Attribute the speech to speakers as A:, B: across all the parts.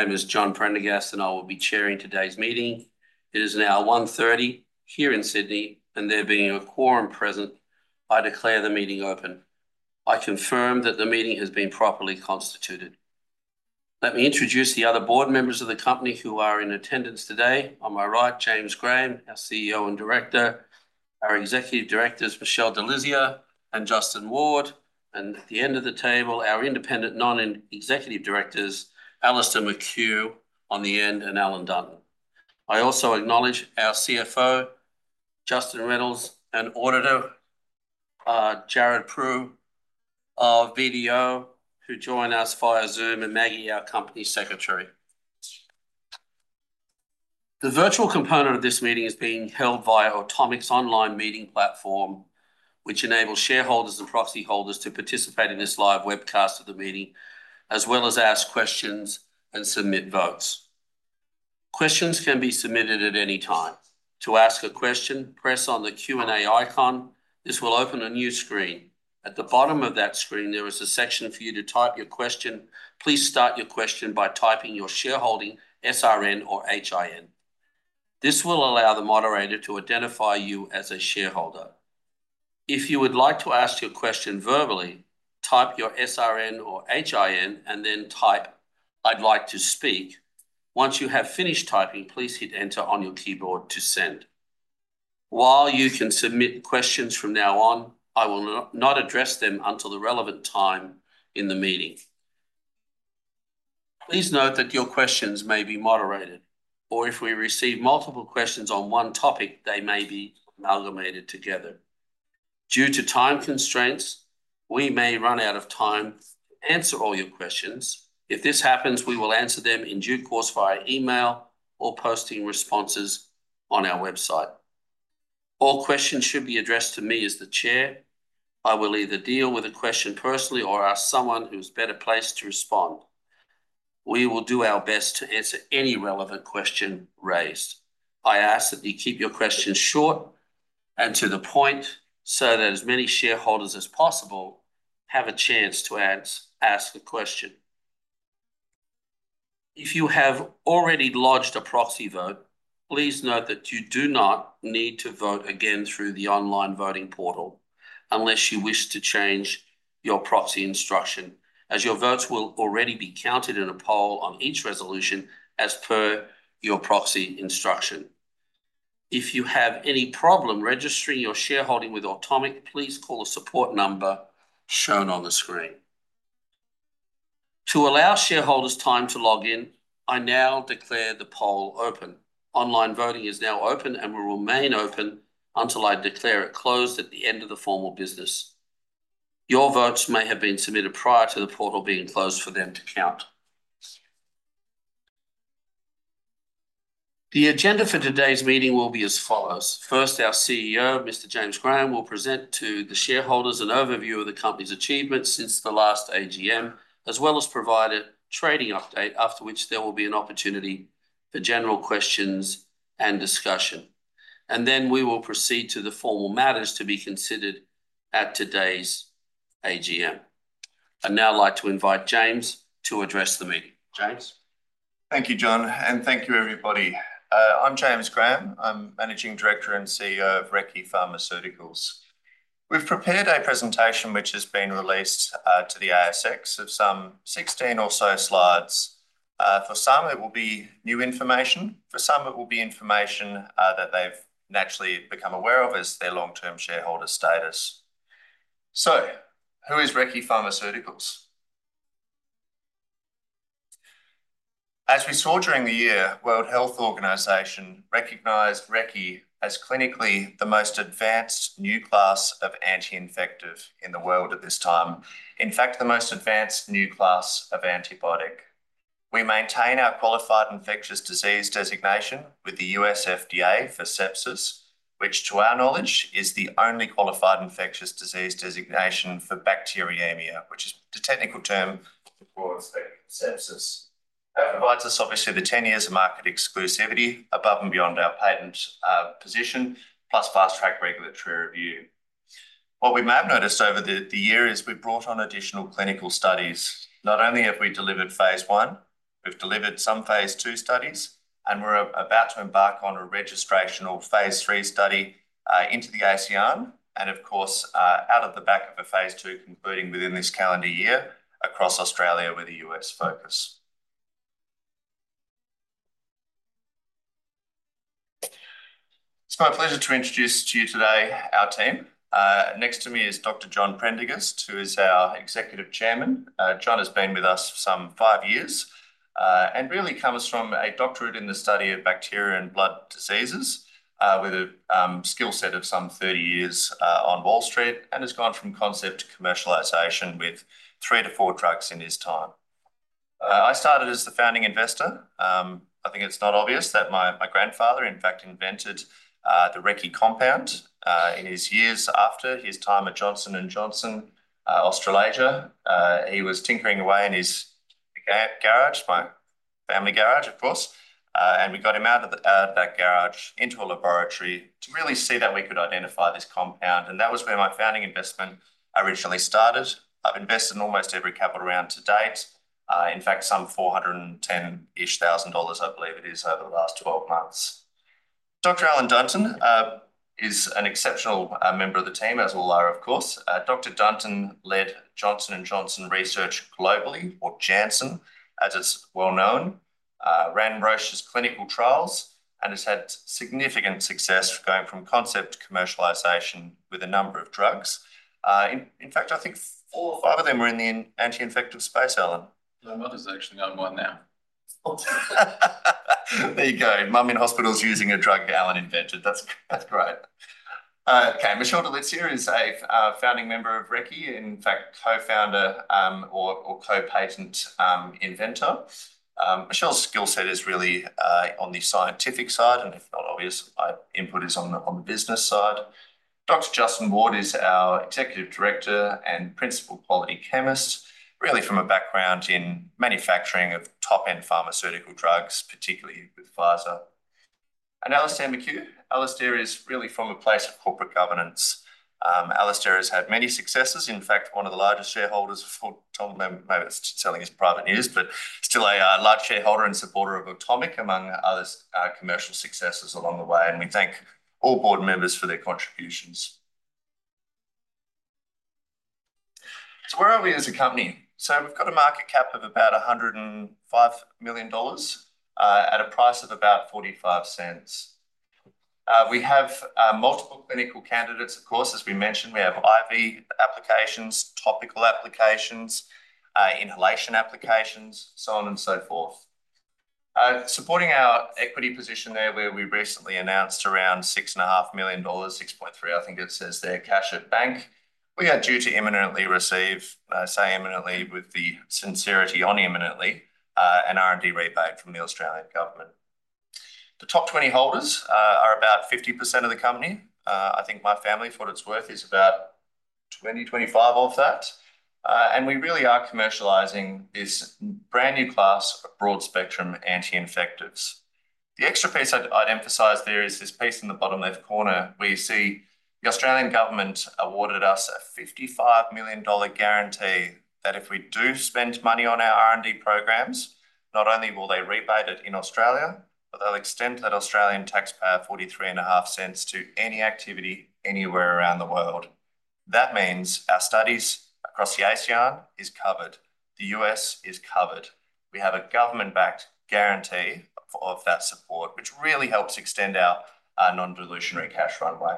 A: My name is John Prendergast, and I will be chairing today's meeting. It is now 1:30 P.M. here in Sydney, and there being a quorum present, I declare the meeting open. I confirm that the meeting has been properly constituted. Let me introduce the other board members of the company who are in attendance today. On my right, James Graham, our CEO and director. Our executive directors, Michele Dilizia and Justin Ward. And at the end of the table, our independent non-executive directors, Alistair McKeough on the end, and Alan Dunton. I also acknowledge our CFO, Justin Reynolds, and auditor, Jarrad Prue of BDO, who join us via Zoom, and Maggie, our company secretary. The virtual component of this meeting is being held via Automic's online meeting platform, which enables shareholders and proxy holders to participate in this live webcast of the meeting. As well as ask questions and submit votes. Questions can be submitted at any time. To ask a question, press on the Q and A icon. This will open a new screen. At the bottom of that screen, there is a section for you to type your question. Please start your question by typing your shareholding SRN or HIN. This will allow the moderator to identify you as a shareholder. If you would like to ask your question verbally, type your SRN or HIN, and then type "I'd like to speak." Once you have finished typing, please hit Enter on your keyboard to send. While you can submit questions from now on, I will not address them until the relevant time in the meeting. Please note that your questions may be moderated, or if we receive multiple questions on one topic, they may be amalgamated together. Due to time constraints, we may run out of time to answer all your questions. If this happens, we will answer them in due course via email or posting responses on our website. All questions should be addressed to me as the chair. I will either deal with a question personally or ask someone who is better placed to respond. We will do our best to answer any relevant question raised. I ask that you keep your questions short and to the point so that as many shareholders as possible have a chance to ask a question. If you have already lodged a proxy vote, please note that you do not need to vote again through the online voting portal unless you wish to change your proxy instruction, as your votes will already be counted in a poll on each resolution as per your proxy instruction. If you have any problem registering your shareholding with Automic, please call the support number shown on the screen. To allow shareholders time to log in, I now declare the poll open. Online voting is now open, and will remain open until I declare it closed at the end of the formal business. Your votes may have been submitted prior to the portal being closed for them to count. The agenda for today's meeting will be as follows. First, our CEO, Mr. James Graham, will present to the shareholders an overview of the company's achievements since the last AGM, as well as provide a trading update, after which there will be an opportunity for general questions and discussion, and then we will proceed to the formal matters to be considered at today's AGM. I'd now like to invite James to address the meeting. James.
B: Thank you, John, and thank you, everybody. I'm James Graham. I'm Managing Director and CEO of Recce Pharmaceuticals. We've prepared a presentation which has been released to the ASX of some 16 or so slides. For some, it will be new information. For some, it will be information that they've naturally become aware of as their long-term shareholder status. So who is Recce Pharmaceuticals? As we saw during the year, the World Health Organization recognized Recce as clinically the most advanced new class of anti-infective in the world at this time, in fact, the most advanced new class of antibiotic. We maintain our qualified infectious disease designation with the U.S. FDA for sepsis, which, to our knowledge, is the only qualified infectious disease designation for bacteremia, which is the technical term for sepsis. That provides us, obviously, with a 10-year market exclusivity above and beyond our patent position, plus fast-track regulatory review. What we may have noticed over the year is we've brought on additional clinical studies. Not only have we delivered Phase I, we've delivered some Phase II studies, and we're about to embark on a registrational Phase III study into the ASEAN and, of course, out of the back of a Phase II concluding within this calendar year across Australia with a U.S. focus. It's my pleasure to introduce to you today our team. Next to me is Dr. John Prendergast, who is our Executive Chairman. John has been with us for some five years and really comes from a doctorate in the study of bacteria and blood diseases with a skill set of some 30 years on Wall Street and has gone from concept to commercialization with three to four drugs in his time. I started as the founding investor. I think it's not obvious that my grandfather, in fact, invented the Recce compound in his years after his time at Johnson & Johnson Australasia. He was tinkering away in his garage, my family garage, of course, and we got him out of that garage into a laboratory to really see that we could identify this compound. And that was where my founding investment originally started. I've invested in almost every capital round to date, in fact, some 410,000-ish dollars, I believe it is, over the last 12 months. Dr. Alan Dunton is an exceptional member of the team, as will I, of course. Dr. Dunton led Johnson & Johnson Research globally, or Janssen, as it's well known, ran Roche's clinical trials and has had significant success going from concept to commercialization with a number of drugs. In fact, I think four or five of them were in the anti-infective space, Alan.
C: My mother's actually on one now.
B: There you go. Mum in hospital's using a drug Alan invented. That's great. Okay. Michele Dilizia is a founding member of Recce, in fact, co-founder or co-patent inventor. Michele's skill set is really on the scientific side, and if not obvious, my input is on the business side. Dr. Justin Ward is our executive director and principal quality chemist, really from a background in manufacturing of top-end pharmaceutical drugs, particularly with Pfizer. And Alistair McKeough. Alistair is really from a place of corporate governance. Alistair has had many successes. In fact, one of the largest shareholders of Automic, maybe it's selling his private news, but still a large shareholder and supporter of Automic, among other commercial successes along the way. And we thank all board members for their contributions. So where are we as a company? So we've got a market cap of about 105 million dollars at a price of about 0.45. We have multiple clinical candidates, of course. As we mentioned, we have IV applications, topical applications, inhalation applications, so on and so forth. Supporting our equity position there, where we recently announced around 6.5 million dollars, 6.3, I think it says there, cash at bank, we are due to imminently receive, say imminently with the sincerity on imminently, an R&D rebate from the Australian government. The top 20 holders are about 50% of the company. I think my family for what it's worth is about 20-25 of that. And we really are commercializing this brand new class of broad-spectrum anti-infectives. The extra piece I'd emphasize there is this piece in the bottom left corner. We see the Australian government awarded us a 55 million dollar guarantee that if we do spend money on our R&D programs, not only will they rebate it in Australia, but they'll extend that Australian taxpayer 43.5 cents to any activity anywhere around the world. That means our studies across the ACR is covered. The U.S. is covered. We have a government-backed guarantee of that support, which really helps extend our non-dilutionary cash runway.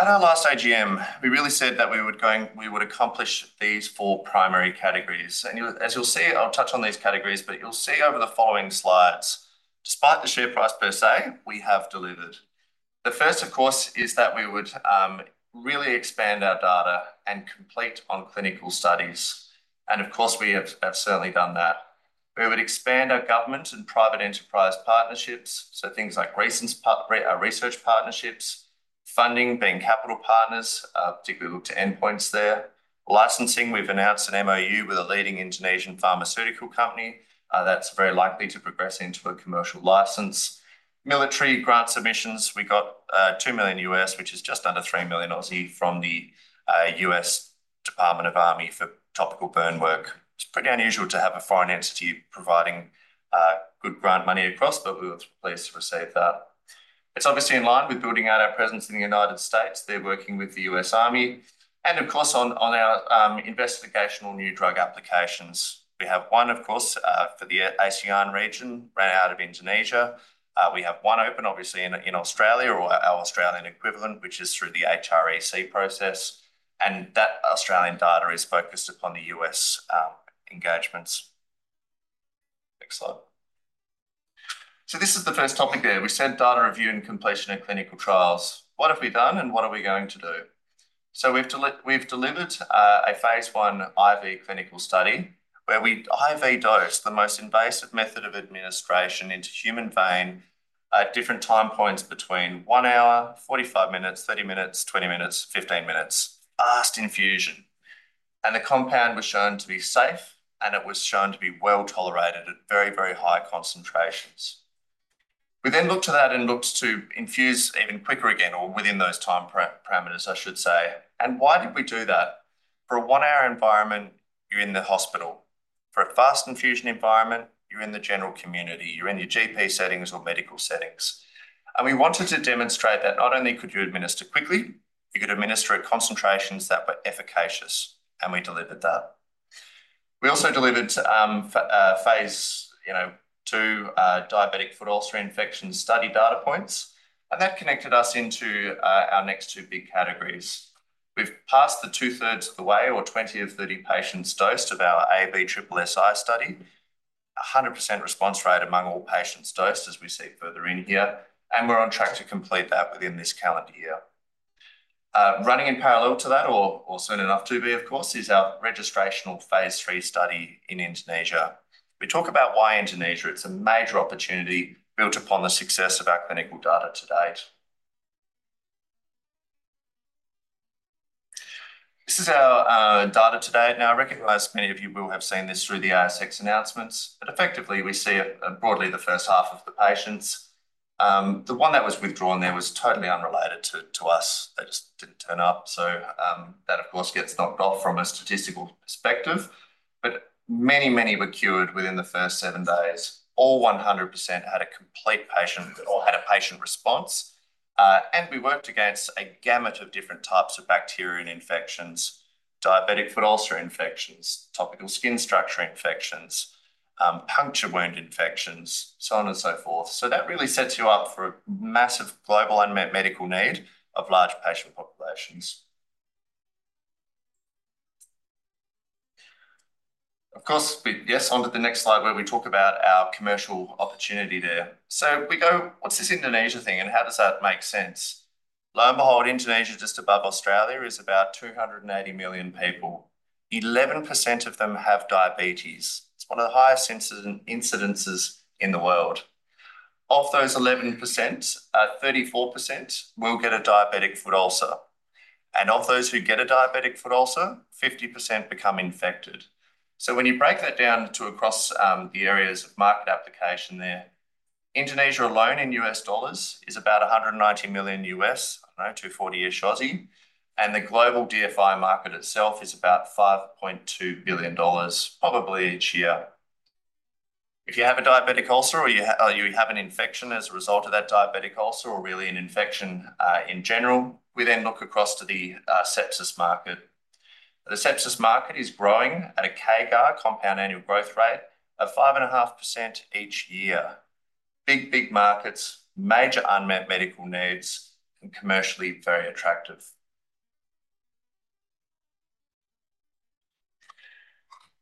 B: At our last AGM, we really said that we would accomplish these four primary categories, and as you'll see, I'll touch on these categories, but you'll see over the following slides, despite the share price per se, we have delivered. The first, of course, is that we would really expand our data and complete on clinical studies, and of course, we have certainly done that. We would expand our government and private enterprise partnerships, so things like research partnerships, funding, being capital partners, particularly look to endpoints there. Licensing, we've announced an MOU with a leading Indonesian pharmaceutical company. That's very likely to progress into a commercial license. Military grant submissions, we got $2 million, which is just under 3 million from the U.S. Department of the Army for topical burn work. It's pretty unusual to have a foreign entity providing good grant money across, but we were pleased to receive that. It's obviously in line with building out our presence in the United States. They're working with the U.S. Army. Of course, on our investigational new drug applications, we have one, of course, for the ACR region, run out of Indonesia. We have one open, obviously, in Australia or our Australian equivalent, which is through the HREC process. That Australian data is focused upon the U.S. engagements. Next slide. This is the first topic there. We said data review and completion of clinical trials. What have we done and what are we going to do? We've delivered a Phase I IV clinical study where we IV dose the most invasive method of administration into human vein at different time points between one hour, 45 minutes, 30 minutes, 20 minutes, 15 minutes, fast infusion. The compound was shown to be safe, and it was shown to be well tolerated at very, very high concentrations. We then looked at that and looked to infuse even quicker again or within those time parameters, I should say. Why did we do that? For a one-hour environment, you're in the hospital. For a fast infusion environment, you're in the general community. You're in your GP settings or medical settings. And we wanted to demonstrate that not only could you administer quickly, you could administer at concentrations that were efficacious. And we delivered that. We also delivered Phase II diabetic foot ulcer infection study data points. And that connected us into our next two big categories. We've passed the two-thirds of the way or 20 of 30 patients dosed of our ABSSSI study, 100% response rate among all patients dosed, as we see further in here. And we're on track to complete that within this calendar year. Running in parallel to that, or soon enough to be, of course, is our registrational Phase III study in Indonesia. We talk about why Indonesia. It's a major opportunity built upon the success of our clinical data to date. This is our data to date. Now, I recognize many of you will have seen this through the ASX announcements, but effectively, we see broadly the H1 of the patients. The one that was withdrawn there was totally unrelated to us. They just didn't turn up. So that, of course, gets knocked off from a statistical perspective, but many, many were cured within the first seven days. All 100% had a complete patient or had a patient response, and we worked against a gamut of different types of bacterial infections, diabetic foot ulcer infections, topical skin structure infections, puncture wound infections, so on and so forth, so that really sets you up for a massive global unmet medical need of large patient populations. Of course, yes, onto the next slide where we talk about our commercial opportunity there, so we go, what's this Indonesia thing, and how does that make sense? Lo and behold, Indonesia just above Australia is about 280 million people. 11% of them have diabetes. It's one of the highest incidences in the world. Of those 11%, 34% will get a diabetic foot ulcer. And of those who get a diabetic foot ulcer, 50% become infected. So when you break that down across the areas of market application there, Indonesia alone in US dollars is about $190 million, 240 million-ish. And the global DFI market itself is about $5.2 billion, probably each year. If you have a diabetic ulcer or you have an infection as a result of that diabetic ulcer or really an infection in general, we then look across to the sepsis market. The sepsis market is growing at a CAGR, compound annual growth rate, of 5.5% each year. Big, big markets, major unmet medical needs, and commercially very attractive.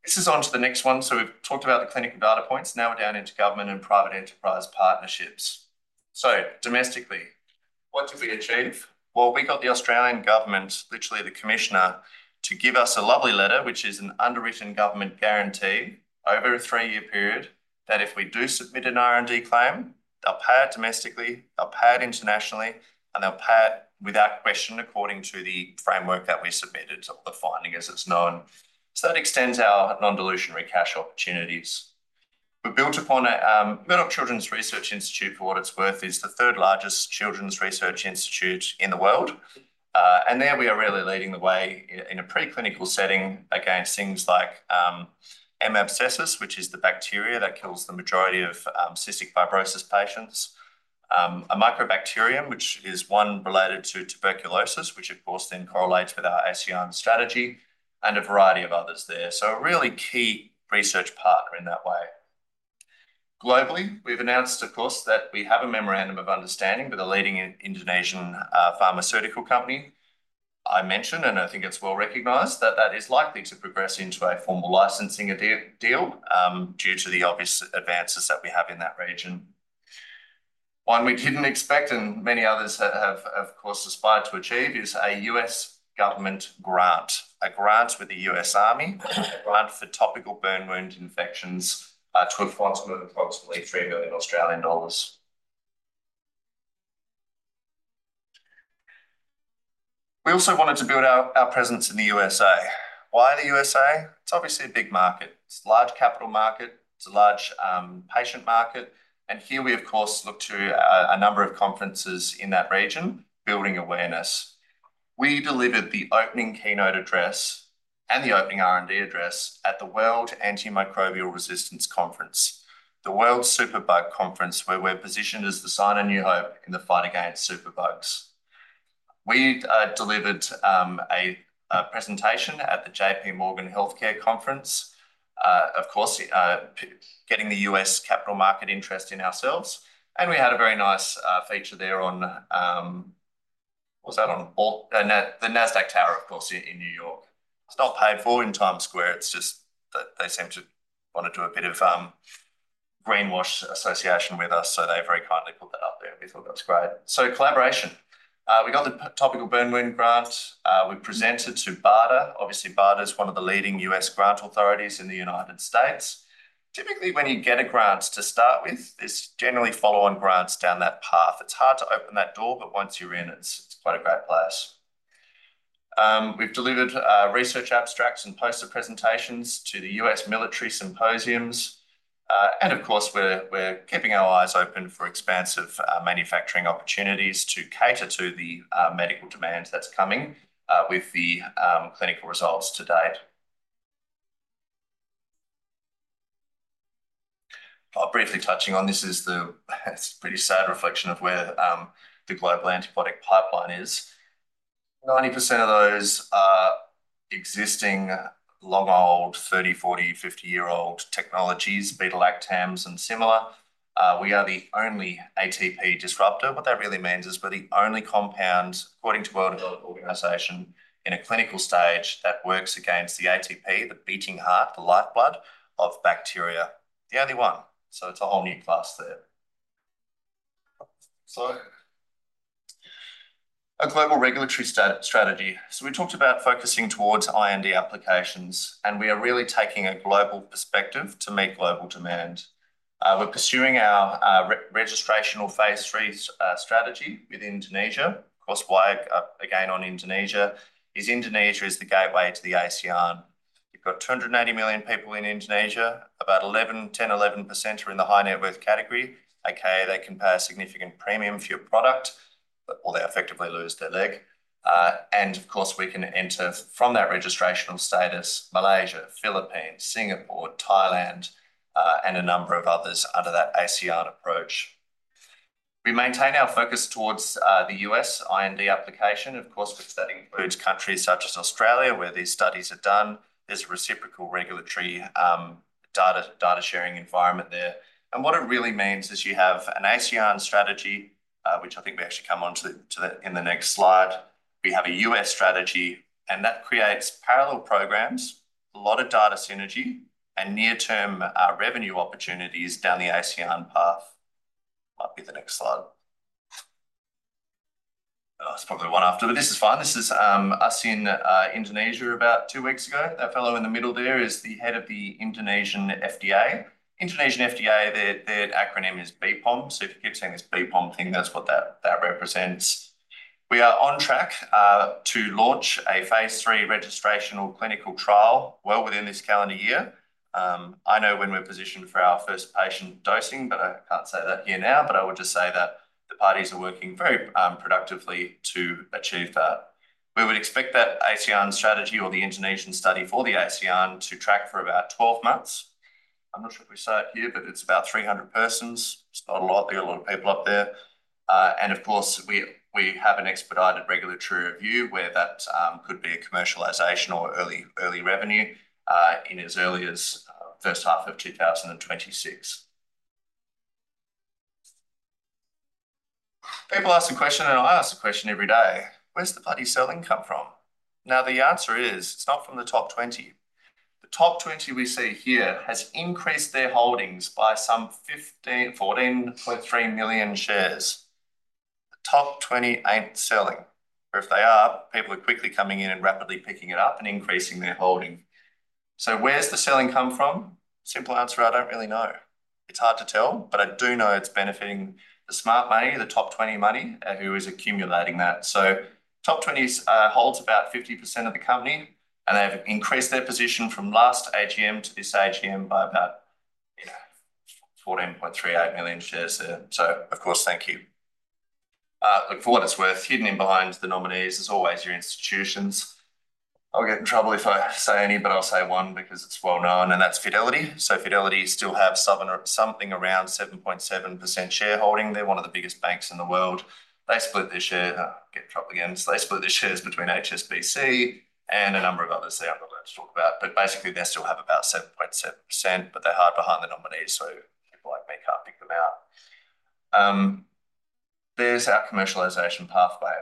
B: This is onto the next one. So we've talked about the clinical data points. Now we're down into government and private enterprise partnerships. So domestically, what did we achieve? Well, we got the Australian government, literally the commissioner, to give us a lovely letter, which is an underwritten government guarantee over a three-year period that if we do submit an R&D claim, they'll pay it domestically, they'll pay it internationally, and they'll pay it without question according to the framework that we submitted, or the finding as it's known. So that extends our non-dilutionary cash opportunities. We're built upon a Murdoch Children's Research Institute, for what it's worth, is the third largest children's research institute in the world. And there we are really leading the way in a preclinical setting against things like M. abscessus, which is the bacteria that kills the majority of cystic fibrosis patients, a microbacterium, which is one related to tuberculosis, which, of course, then correlates with our ACR strategy, and a variety of others there. So a really key research partner in that way. Globally, we've announced, of course, that we have a memorandum of understanding with a leading Indonesian pharmaceutical company. I mentioned, and I think it's well recognized, that that is likely to progress into a formal licensing deal due to the obvious advances that we have in that region. One we didn't expect, and many others have, of course, aspired to achieve, is a U.S. government grant, a grant with the U.S. Army, a grant for topical burn wound infections to a funds worth approximately AUD 3 million. We also wanted to build our presence in the USA. Why the USA? It's obviously a big market. It's a large capital market. It's a large patient market. And here we, of course, look to a number of conferences in that region, building awareness. We delivered the opening keynote address and the opening R&D address at the World Antimicrobial Resistance Conference, the World Superbug Conference, where we're positioned as the sign of new hope in the fight against superbugs. We delivered a presentation at the J.P. Morgan Healthcare Conference, of course, getting the US capital market interest in ourselves. And we had a very nice feature there on, what was that, on the NASDAQ Tower, of course, in New York. It's not paid for in Times Square. It's just that they seem to want to do a bit of greenwash association with us. So they very kindly put that up there. We thought that was great. So collaboration. We got the topical burn wound grant. We presented to BARDA. Obviously, BARDA is one of the leading U.S. grant authorities in the United States. Typically, when you get a grant to start with, there's generally follow-on grants down that path. It's hard to open that door, but once you're in, it's quite a great place. We've delivered research abstracts and poster presentations to the U.S. military symposiums. And of course, we're keeping our eyes open for expansive manufacturing opportunities to cater to the medical demand that's coming with the clinical results to date. I'll briefly touch on this. It's a pretty sad reflection of where the global antibiotic pipeline is. 90% of those existing long-old, 30, 40, 50-year-old technologies, beta-lactams and similar. We are the only ATP disruptor. What that really means is we're the only compound, according to World Health Organization, in a clinical stage that works against the ATP, the beating heart, the lifeblood of bacteria. The only one. So it's a whole new class there. So a global regulatory strategy. So we talked about focusing towards IND applications, and we are really taking a global perspective to meet global demand. We're pursuing our registrational Phase III strategy with Indonesia. Of course, why again on Indonesia is Indonesia is the gateway to the ACR. You've got 280 million people in Indonesia. About 10%-11% are in the high net worth category. Okay, they can pay a significant premium for your product, but well, they effectively lose their leg. And of course, we can enter from that registrational status, Malaysia, Philippines, Singapore, Thailand, and a number of others under that ACR approach. We maintain our focus towards the U.S. IND application. Of course, that includes countries such as Australia where these studies are done. There's a reciprocal regulatory data sharing environment there, and what it really means is you have an ACR strategy, which I think we actually come on to in the next slide. We have a U.S. strategy, and that creates parallel programs, a lot of data synergy, and near-term revenue opportunities down the ACR path. Might be the next slide. That's probably one after, but this is fine. This is us in Indonesia about two weeks ago. That fellow in the middle there is the head of the Indonesian FDA. Indonesian FDA, their acronym is BPOM. So if you keep saying this BPOM thing, that's what that represents. We are on track to launch a Phase III registrational clinical trial well within this calendar year. I know when we're positioned for our first patient dosing, but I can't say that here now. But I will just say that the parties are working very productively to achieve that. We would expect that ACR strategy or the Indonesian study for the ACR to track for about 12 months. I'm not sure if we say it here, but it's about 300 persons. It's not a lot. There are a lot of people up there. And of course, we have an expedited regulatory review where that could be a commercialization or early revenue in as early as H1 of 2026. People ask a question, and I ask a question every day. Where's the bloody selling come from? Now, the answer is it's not from the top 20. The top 20 we see here has increased their holdings by some 14.3 million shares. The top 20 ain't selling. Or if they are, people are quickly coming in and rapidly picking it up and increasing their holding. So where's the selling come from? Simple answer, I don't really know. It's hard to tell, but I do know it's benefiting the smart money, the top 20 money, who is accumulating that. So top 20 holds about 50% of the company, and they've increased their position from last AGM to this AGM by about 14.38 million shares there. So, of course, thank you. Look for what it's worth. Hidden behind the nominees is always your institutions. I'll get in trouble if I say any, but I'll say one because it's well known, and that's Fidelity. So Fidelity still has something around 7.7% shareholding. They're one of the biggest banks in the world. They split their share, get in trouble again, so they split their shares between HSBC and a number of others they haven't allowed to talk about, but basically, they still have about 7.7%, but they're hard behind the nominees, so people like me can't pick them out. There's our commercialization pathway.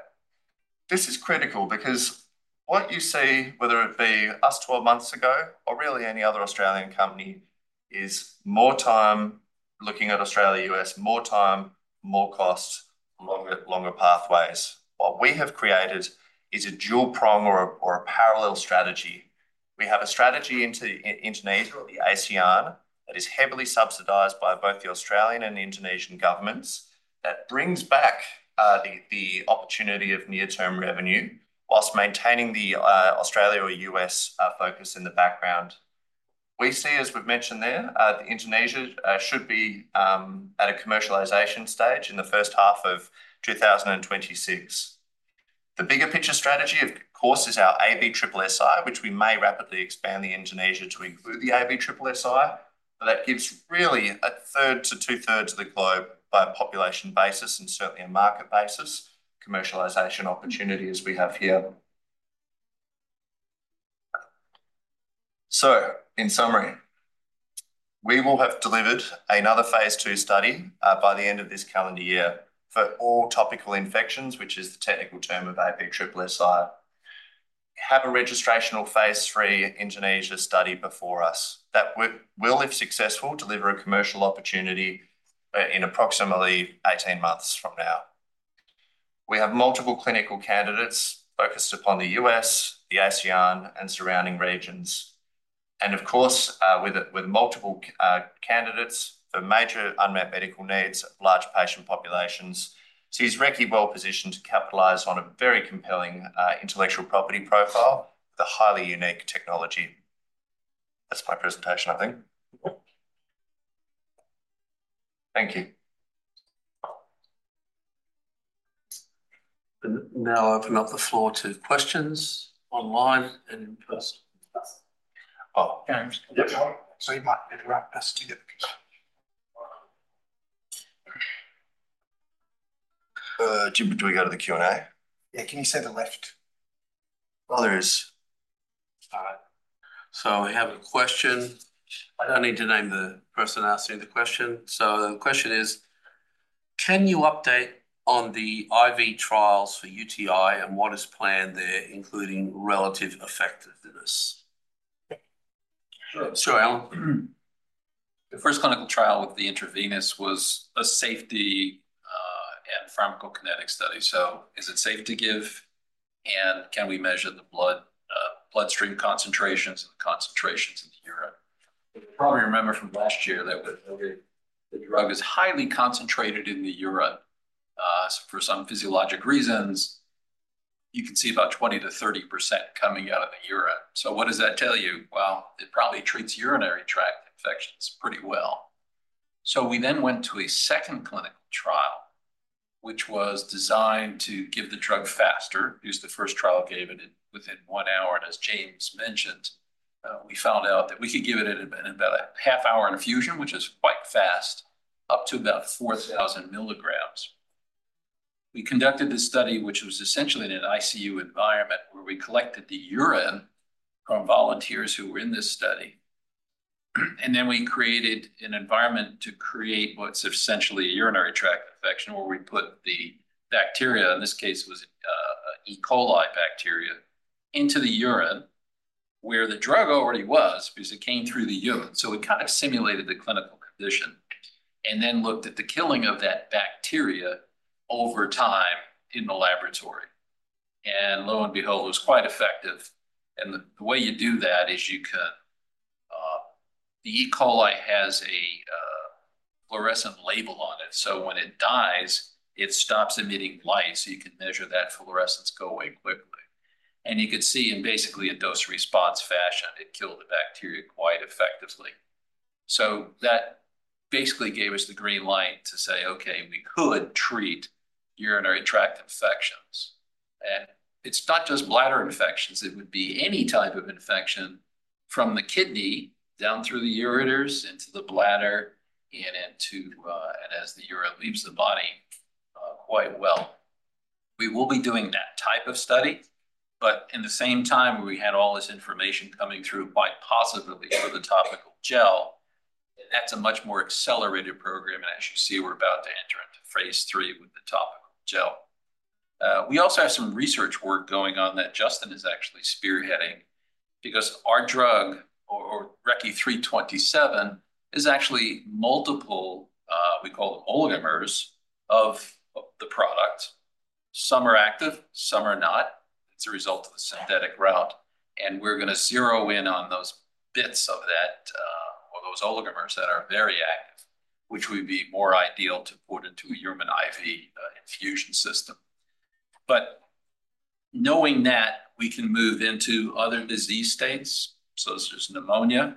B: This is critical because what you see, whether it be us 12 months ago or really any other Australian company, is more time looking at Australia-US, more time, more cost, longer pathways. What we have created is a dual prong or a parallel strategy. We have a strategy into Indonesia or the ACR that is heavily subsidized by both the Australian and Indonesian governments that brings back the opportunity of near-term revenue while maintaining the Australia or US focus in the background. We see, as we've mentioned there, that Indonesia should be at a commercialization stage in the H1 of 2026. The bigger picture strategy, of course, is our ABSSSI, which we may rapidly expand in Indonesia to include the ABSSSI. But that gives really a third to two-thirds of the globe by a population basis and certainly a market basis commercialization opportunity as we have here. So, in summary, we will have delivered another Phase II study by the end of this calendar year for all topical infections, which is the technical term of ABSSSI. Have a registrational Phase III Indonesia study before us. That will, if successful, deliver a commercial opportunity in approximately 18 months from now. We have multiple clinical candidates focused upon the U.S., the ACR, and surrounding regions. And of course, with multiple candidates for major unmet medical needs, large patient populations, Recce is well positioned to capitalize on a very compelling intellectual property profile with a highly unique technology. That's my presentation, I think.
C: Thank you. Now I'll open up the floor to questions online and just, oh, so you might interrupt us. Do we go to the Q and A?
B: Yeah, can you see the left?
C: Oh, there is. So we have a question. I don't need to name the person asking the question. So the question is, can you update on the IV trials for UTI and what is planned there, including relative effectiveness?
B: Sure, Alan. The first clinical trial with the intravenous was a safety and pharmacokinetic study. So is it safe to give, and can we measure the bloodstream concentrations and the concentrations in the urine? You probably remember from last year that we noted the drug is highly concentrated in the urine. For some physiologic reasons, you can see about 20%-30% coming out of the urine. So what does that tell you? Well, it probably treats urinary tract infections pretty well. So we then went to a second clinical trial, which was designed to give the drug faster. It was the first trial gave it within one hour. And as James mentioned, we found out that we could give it in about a half hour infusion, which is quite fast, up to about 4,000 milligrams. We conducted this study, which was essentially in an ICU environment where we collected the urine from volunteers who were in this study. And then we created an environment to create what's essentially a urinary tract infection where we put the bacteria, in this case, was E. coli. coli bacteria into the urine where the drug already was because it came through the urine. So we kind of simulated the clinical condition and then looked at the killing of that bacteria over time in the laboratory. And lo and behold, it was quite effective. And the way you do that is you can, the E. coli has a fluorescent label on it. So when it dies, it stops emitting light. So you can measure that fluorescence go away quickly. And you can see in basically a dose-response fashion, it killed the bacteria quite effectively. So that basically gave us the green light to say, okay, we could treat urinary tract infections. And it's not just bladder infections. It would be any type of infection from the kidney down through the ureters into the bladder and as the urine leaves the body quite well. We will be doing that type of study. But in the same time, we had all this information coming through quite positively for the topical gel. That's a much more accelerated program. And as you see, we're about to enter into Phase III with the topical gel. We also have some research work going on that Justin is actually spearheading because our drug, or RECCE 327, is actually multiple - we call them oligomers of the product. Some are active, some are not. It's a result of the synthetic route. And we're going to zero in on those bits of that or those oligomers that are very active, which would be more ideal to put into a human IV infusion system. But knowing that, we can move into other disease states. So there's pneumonia,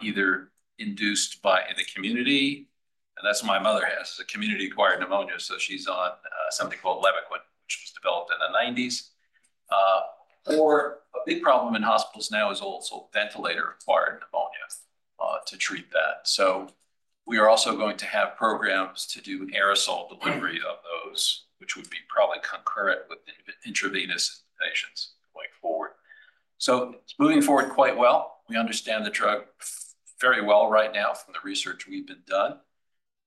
B: either induced by the community - and that's my mother has - a community-acquired pneumonia. So she's on something called Levaquin, which was developed in the 1990s. Or a big problem in hospitals now is also ventilator-acquired pneumonia to treat that. So we are also going to have programs to do aerosol delivery of those, which would be probably concurrent with intravenous patients going forward. So it's moving forward quite well. We understand the drug very well right now from the research we've been done.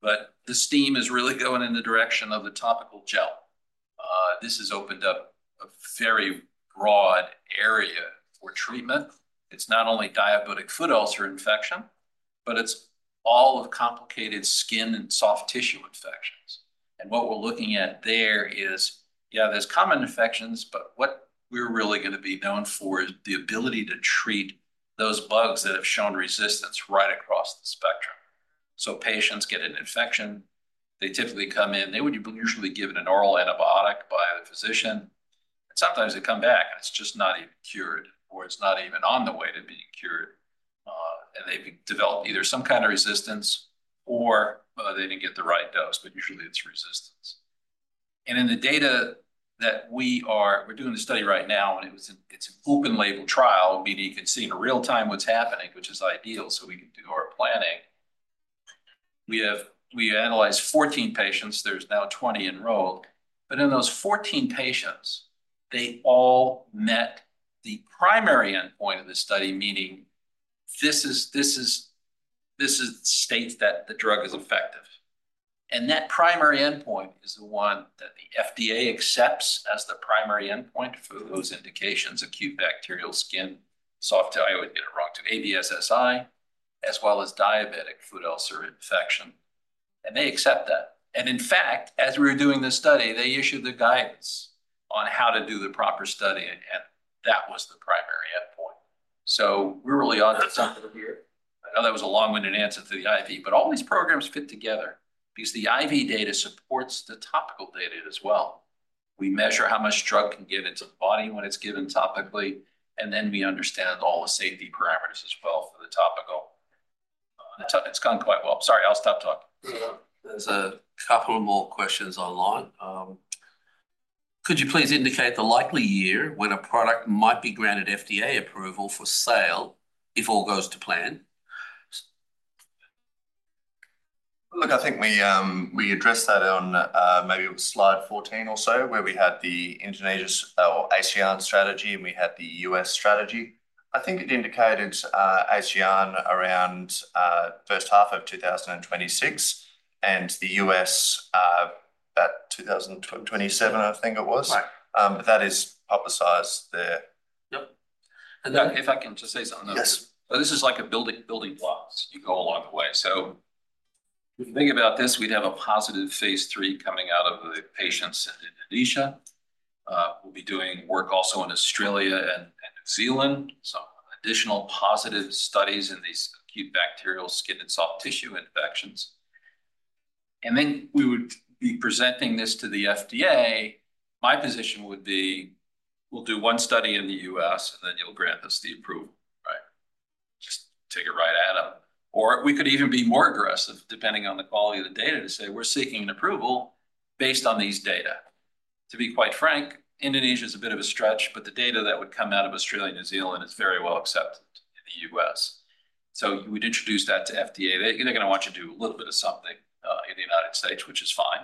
B: But the team is really going in the direction of the topical gel. This has opened up a very broad area for treatment. It's not only diabetic foot ulcer infection, but it's all of complicated skin and soft tissue infections. And what we're looking at there is, yeah, there's common infections, but what we're really going to be known for is the ability to treat those bugs that have shown resistance right across the spectrum. So patients get an infection. They typically come in. They would usually be given an oral antibiotic by the physician. Sometimes they come back, and it's just not even cured, or it's not even on the way to being cured. They've developed either some kind of resistance or they didn't get the right dose, but usually it's resistance. In the data that we're doing the study right now, and it's an open-label trial, meaning you can see in real time what's happening, which is ideal so we can do our planning. We analyzed 14 patients. There's now 20 enrolled. In those 14 patients, they all met the primary endpoint of the study, meaning this is the state that the drug is effective. That primary endpoint is the one that the FDA accepts as the primary endpoint for those indications: acute bacterial skin, soft - I always get it wrong - to ABSSI, as well as diabetic foot ulcer infection. And they accept that. And in fact, as we were doing this study, they issued the guidance on how to do the proper study. And that was the primary endpoint. So we're really onto something here. I know that was a long-winded answer to the IV, but all these programs fit together because the IV data supports the topical data as well. We measure how much drug can get into the body when it's given topically, and then we understand all the safety parameters as well for the topical. It's gone quite well. Sorry, I'll stop talking.
C: There's a couple more questions online. Could you please indicate the likely year when a product might be granted FDA approval for sale if all goes to plan?
A: Look, I think we addressed that on maybe slide 14 or so where we had the Indonesian or ACR strategy, and we had the US strategy. I think it indicated ACR around H1 of 2026 and the US about 2027, I think it was. That is publicized there.
B: Yep. And if I can just say something else. So this is like a building blocks. You go along the way. So if you think about this, we'd have a positive Phase III coming out of the patients in Indonesia. We'll be doing work also in Australia and New Zealand, some additional positive studies in these acute bacterial skin and soft tissue infections. And then we would be presenting this to the FDA. My position would be, we'll do one study in the U.S., and then you'll grant us the approval, right? Just take it right at them. Or we could even be more aggressive, depending on the quality of the data, to say, "We're seeking an approval based on these data." To be quite frank, Indonesia is a bit of a stretch, but the data that would come out of Australia and New Zealand is very well accepted in the U.S. So we'd introduce that to FDA. They're going to want you to do a little bit of something in the United States, which is fine.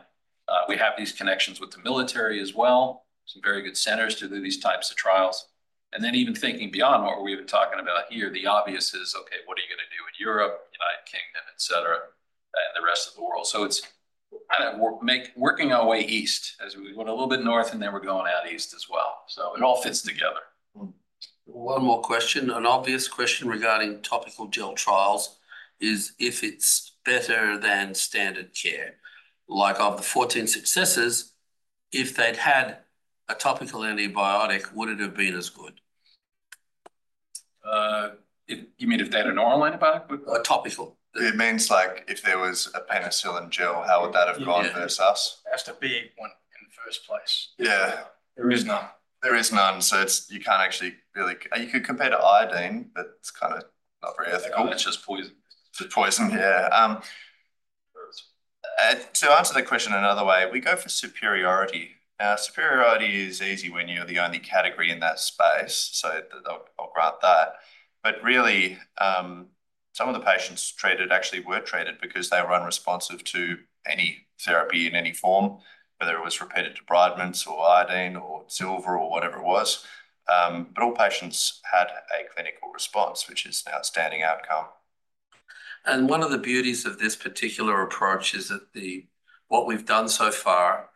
B: We have these connections with the military as well, some very good centers to do these types of trials. And then even thinking beyond what we're even talking about here, the obvious is, okay, what are you going to do in Europe, the United Kingdom, etc., and the rest of the world? So it's kind of working our way east as we went a little bit north, and then we're going out east as well. So it all fits together.
C: One more question, an obvious question regarding topical gel trials is if it's better than standard care. Like of the 14 successes, if they'd had a topical antibiotic, would it have been as good?
A: You mean if they had an oral antibiotic? A topical. It means like if there was a penicillin gel, how would that have gone versus us?
C: It has to be one in the first place.
A: Yeah. There is none. There is none. So you can't actually really. You could compare to iodine, but it's kind of not very ethical. It's just poison. It's poison, yeah. To answer that question in another way, we go for superiority. Superiority is easy when you're the only category in that space. So I'll grant that. But really, some of the patients treated actually were treated because they were unresponsive to any therapy in any form, whether it was repeated debridements or iodine or silver or whatever it was. But all patients had a clinical response, which is an outstanding outcome.
B: And one of the beauties of this particular approach is that what we've done so far is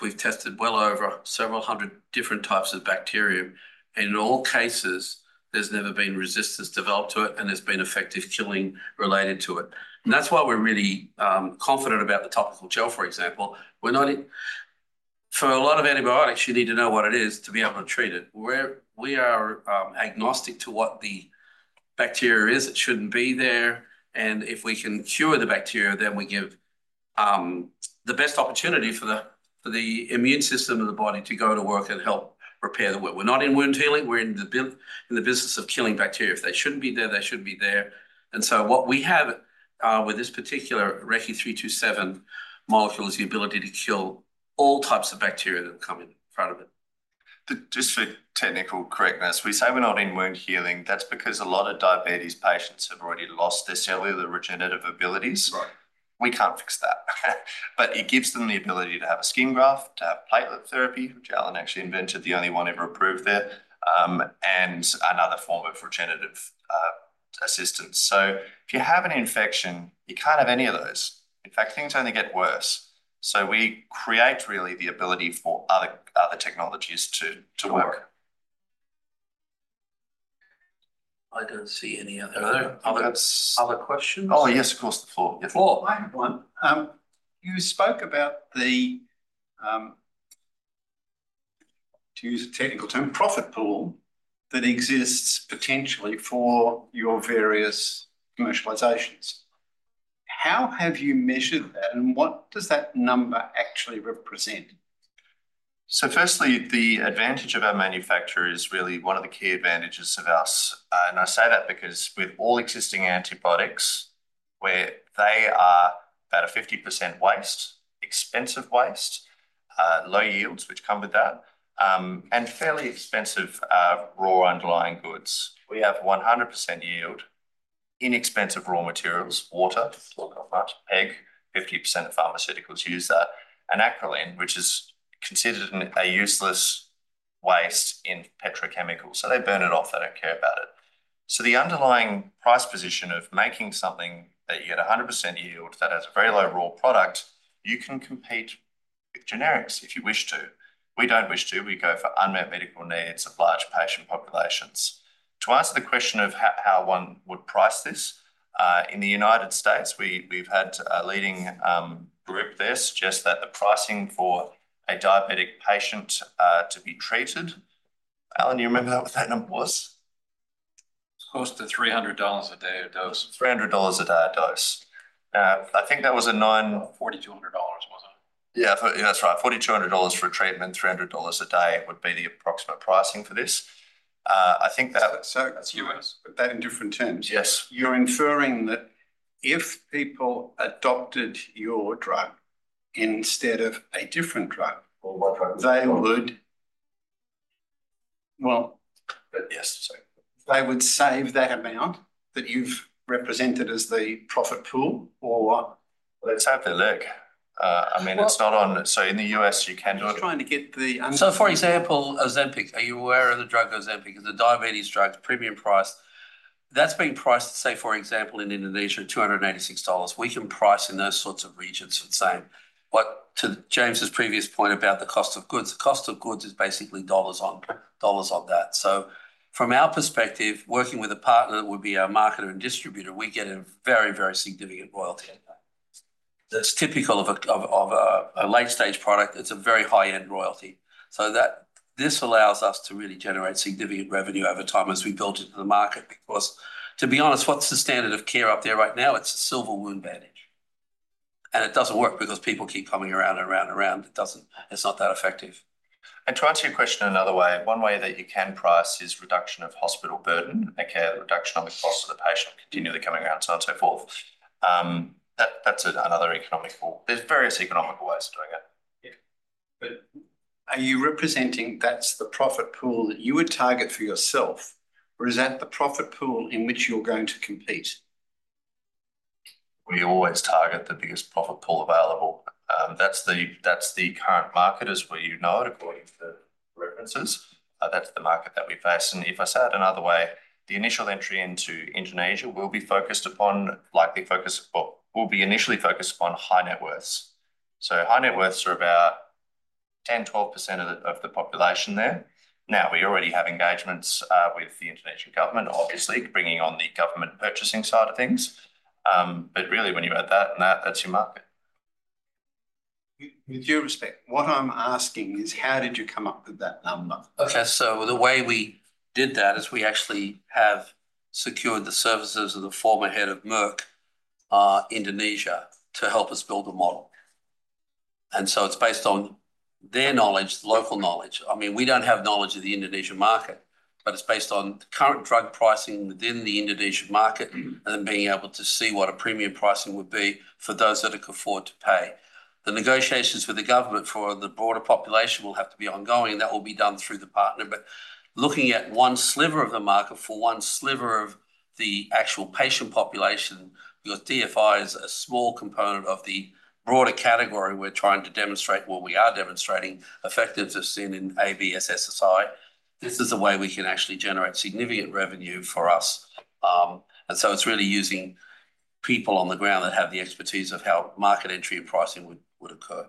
B: we've tested well over several hundred different types of bacterium. And in all cases, there's never been resistance developed to it, and there's been effective killing related to it. That's why we're really confident about the topical gel, for example. For a lot of antibiotics, you need to know what it is to be able to treat it. We are agnostic to what the bacteria is. It shouldn't be there. And if we can cure the bacteria, then we give the best opportunity for the immune system of the body to go to work and help repair the wound. We're not in wound healing. We're in the business of killing bacteria. If they shouldn't be there, they shouldn't be there. And so what we have with this particular RECCE 327 molecule is the ability to kill all types of bacteria that come in front of it.
A: Just for technical correctness, we say we're not in wound healing. That's because a lot of diabetes patients have already lost their cellular regenerative abilities. We can't fix that. But it gives them the ability to have a skin graft, to have platelet therapy, which Alan actually invented, the only one ever approved there, and another form of regenerative assistance. So if you have an infection, you can't have any of those. In fact, things only get worse. So we create really the ability for other technologies to work.
B: I don't see any other questions. Oh, yes, of course. The floor. The floor.
C: I have one. You spoke about the, to use a technical term, profit pool that exists potentially for your various commercializations. How have you measured that, and what does that number actually represent?
A: So firstly, the advantage of our manufacturer is really one of the key advantages of ours. I say that because with all existing antibiotics, they are about a 50% waste, expensive waste, low yields which come with that, and fairly expensive raw underlying goods. We have 100% yield, inexpensive raw materials, water, egg, 50% of pharmaceuticals use that, and acrolein, which is considered a useless waste in petrochemicals. So they burn it off. They don't care about it. So the underlying price position of making something that you get 100% yield that has a very low raw product, you can compete with generics if you wish to. We don't wish to. We go for unmet medical needs of large patient populations. To answer the question of how one would price this, in the United States, we've had a leading group there suggest that the pricing for a diabetic patient to be treated, Alan, do you remember what that number was? Of course, the $300 a day dose. I think that was a $4,200, wasn't it? Yeah, that's right. $4,200 for treatment, $300 a day would be the approximate pricing for this. I think that. So that's U.S. But that in different terms. Yes. You're inferring that if people adopted your drug instead of a different drug, they would. Well. Yes. Sorry. They would save that amount that you've represented as the profit pool or. Well, it's out there. I mean, it's not on. So in the U.S., you can do it. I'm trying to get the. So, for example, Ozempic, are you aware of the drug Ozempic? It's a diabetes drug, premium price. That's being priced, say, for example, in Indonesia, $286. We can price in those sorts of regions for the same. But to James's previous point about the cost of goods, the cost of goods is basically dollars on that. So from our perspective, working with a partner that would be our marketer and distributor, we get a very, very significant royalty. That's typical of a late-stage product. It's a very high-end royalty. So this allows us to really generate significant revenue over time as we build it to the market. Because to be honest, what's the standard of care up there right now? It's a silver wound bandage. And it doesn't work because people keep coming around and around and around. It's not that effective. And to answer your question in another way, one way that you can price is reduction of hospital burden, a care reduction on the cost of the patient, continually coming around, so on and so forth. That's another economic pool. There's various economical ways of doing it. Yeah. But are you representing that's the profit pool that you would target for yourself, or is that the profit pool in which you're going to compete? We always target the biggest profit pool available. That's the current market as we know it according to references. That's the market that we face. And if I say it another way, the initial entry into Indonesia will be initially focused upon high net worths. So high net worths are about 10%-12% of the population there. Now, we already have engagements with the Indonesian government, obviously, bringing on the government purchasing side of things. But really, when you add that and that, that's your market. With your respect, what I'm asking is, how did you come up with that number? Okay. So the way we did that is we actually have secured the services of the former head of Merck, Indonesia, to help us build a model. And so it's based on their knowledge, local knowledge. I mean, we don't have knowledge of the Indonesian market, but it's based on current drug pricing within the Indonesian market and then being able to see what a premium pricing would be for those that it could afford to pay. The negotiations with the government for the broader population will have to be ongoing, and that will be done through the partner. But looking at one sliver of the market for one sliver of the actual patient population, your DFI is a small component of the broader category we're trying to demonstrate what we are demonstrating: effectiveness in ABSSSI. This is a way we can actually generate significant revenue for us. It's really using people on the ground that have the expertise of how market entry and pricing would occur.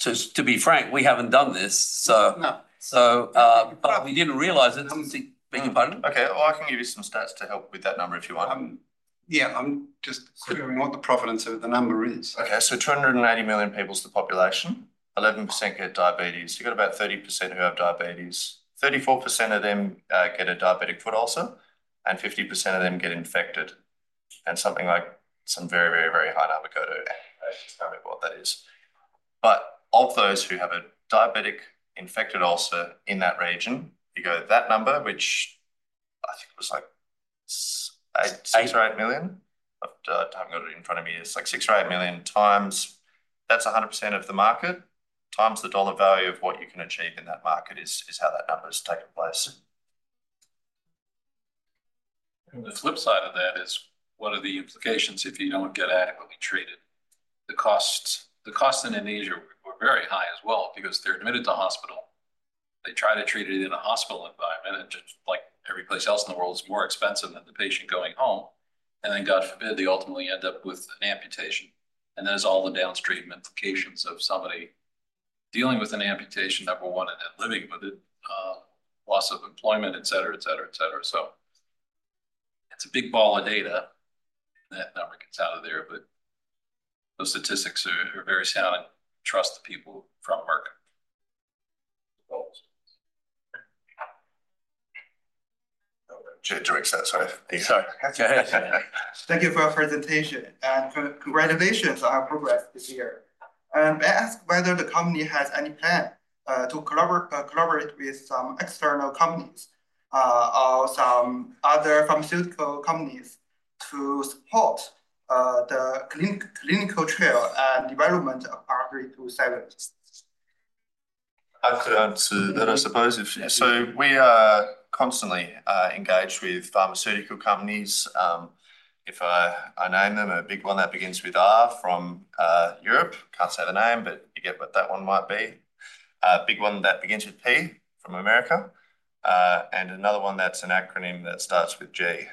A: To be frank, we haven't done this. We didn't realize it. Okay. I can give you some stats to help with that number if you want. Yeah. I'm just figuring what the provenance of the number is. Okay. 280 million people is the population. 11% get diabetes. You've got about 30% who have diabetes. 34% of them get a diabetic foot ulcer, and 50% of them get infected. And something like a very high number goes to patients' family about what that is. But of those who have a diabetic infected ulcer in that region, you get that number, which I think was like eight million. I haven't got it in front of me. It's like six or eight million. That's 100% of the market times the dollar value of what you can achieve in that market is how that number is taking place.
C: And the flip side of that is, what are the implications if you don't get adequately treated? The costs in Indonesia were very high as well because they're admitted to hospital. They try to treat it in a hospital environment, and just like every place else in the world, it's more expensive than the patient going home. And then, God forbid, they ultimately end up with an amputation. And there's all the downstream implications of somebody dealing with an amputation, number one, and then living with it, loss of employment, etc., etc., etc. So it's a big ball of data. That number gets out of there. But those statistics are very sound. Trust the people from Merck. Do you make sense? Sorry. Sorry. Thank you for your presentation and congratulations on our progress this year. I ask whether the company has any plan to collaborate with some external companies or some other pharmaceutical companies to support the clinical trial and development of R327.
A: I could answer that, I suppose. We are constantly engaged with pharmaceutical companies. If I name them, a big one that begins with R from Europe, can't say the name, but you get what that one might be. A big one that begins with P from America. Another one that's an acronym that starts with G.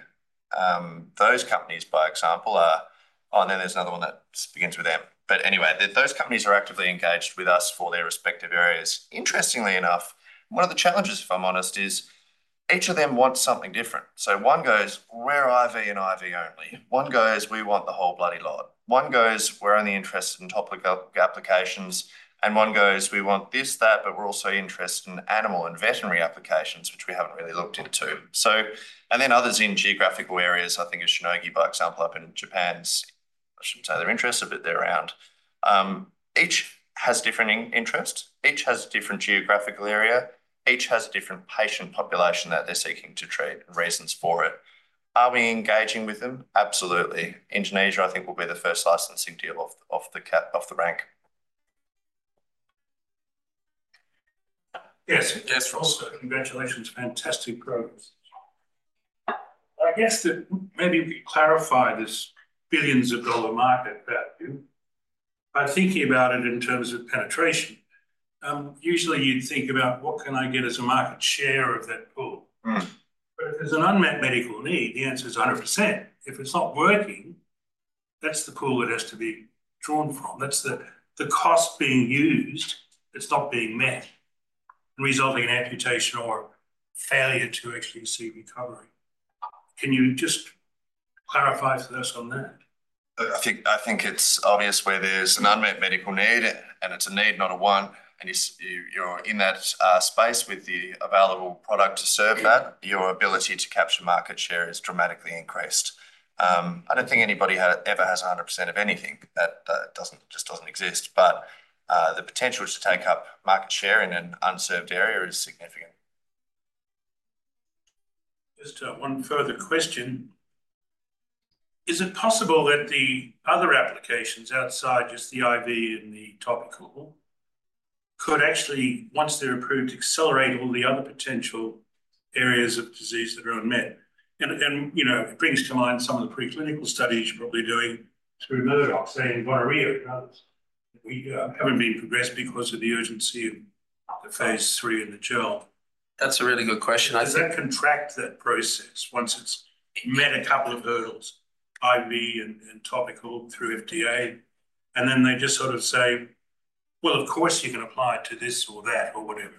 A: Those companies, by example, are. Oh, and then there's another one that begins with M. But anyway, those companies are actively engaged with us for their respective areas. Interestingly enough, one of the challenges, if I'm honest, is each of them wants something different. One goes, "We're IV and IV only." One goes, "We want the whole bloody lot." One goes, "We're only interested in topical applications." One goes, "We want this, that, but we're also interested in animal and veterinary applications, which we haven't really looked into." Others are in geographical areas. For example, I think of Shionogi up in Japan. I shouldn't say they're interested, but they're around. Each has different interests. Each has a different geographical area. Each has a different patient population that they're seeking to treat and reasons for it. Are we engaging with them? Absolutely. Indonesia, I think, will be the first licensing deal off the rank. Yes. Yes, also. Congratulations. Fantastic progress. I guess that maybe we can clarify this billions of dollars market value. By thinking about it in terms of penetration, usually you'd think about, "What can I get as a market share of that pool?" But if there's an unmet medical need, the answer is 100%. If it's not working, that's the pool that has to be drawn from. That's the cost being used that's not being met, resulting in amputation or failure to actually see recovery. Can you just clarify for us on that? I think it's obvious where there's an unmet medical need, and it's a need, not a want, and you're in that space with the available product to serve that, your ability to capture market share is dramatically increased. I don't think anybody ever has 100% of anything. That just doesn't exist, but the potential to take up market share in an unserved area is significant. Just one further question. Is it possible that the other applications outside just the IV and the topical could actually, once they're approved, accelerate all the other potential areas of disease that are unmet? And it brings to mind some of the preclinical studies you're probably doing through Merck's, say, and gonorrhea and others. Haven't been progressed because of the urgency of the Phase III in the germ? That's a really good question. Does that contract that process once it's met a couple of hurdles, IV and topical through FDA? And then they just sort of say, "Well, of course, you can apply it to this or that or whatever."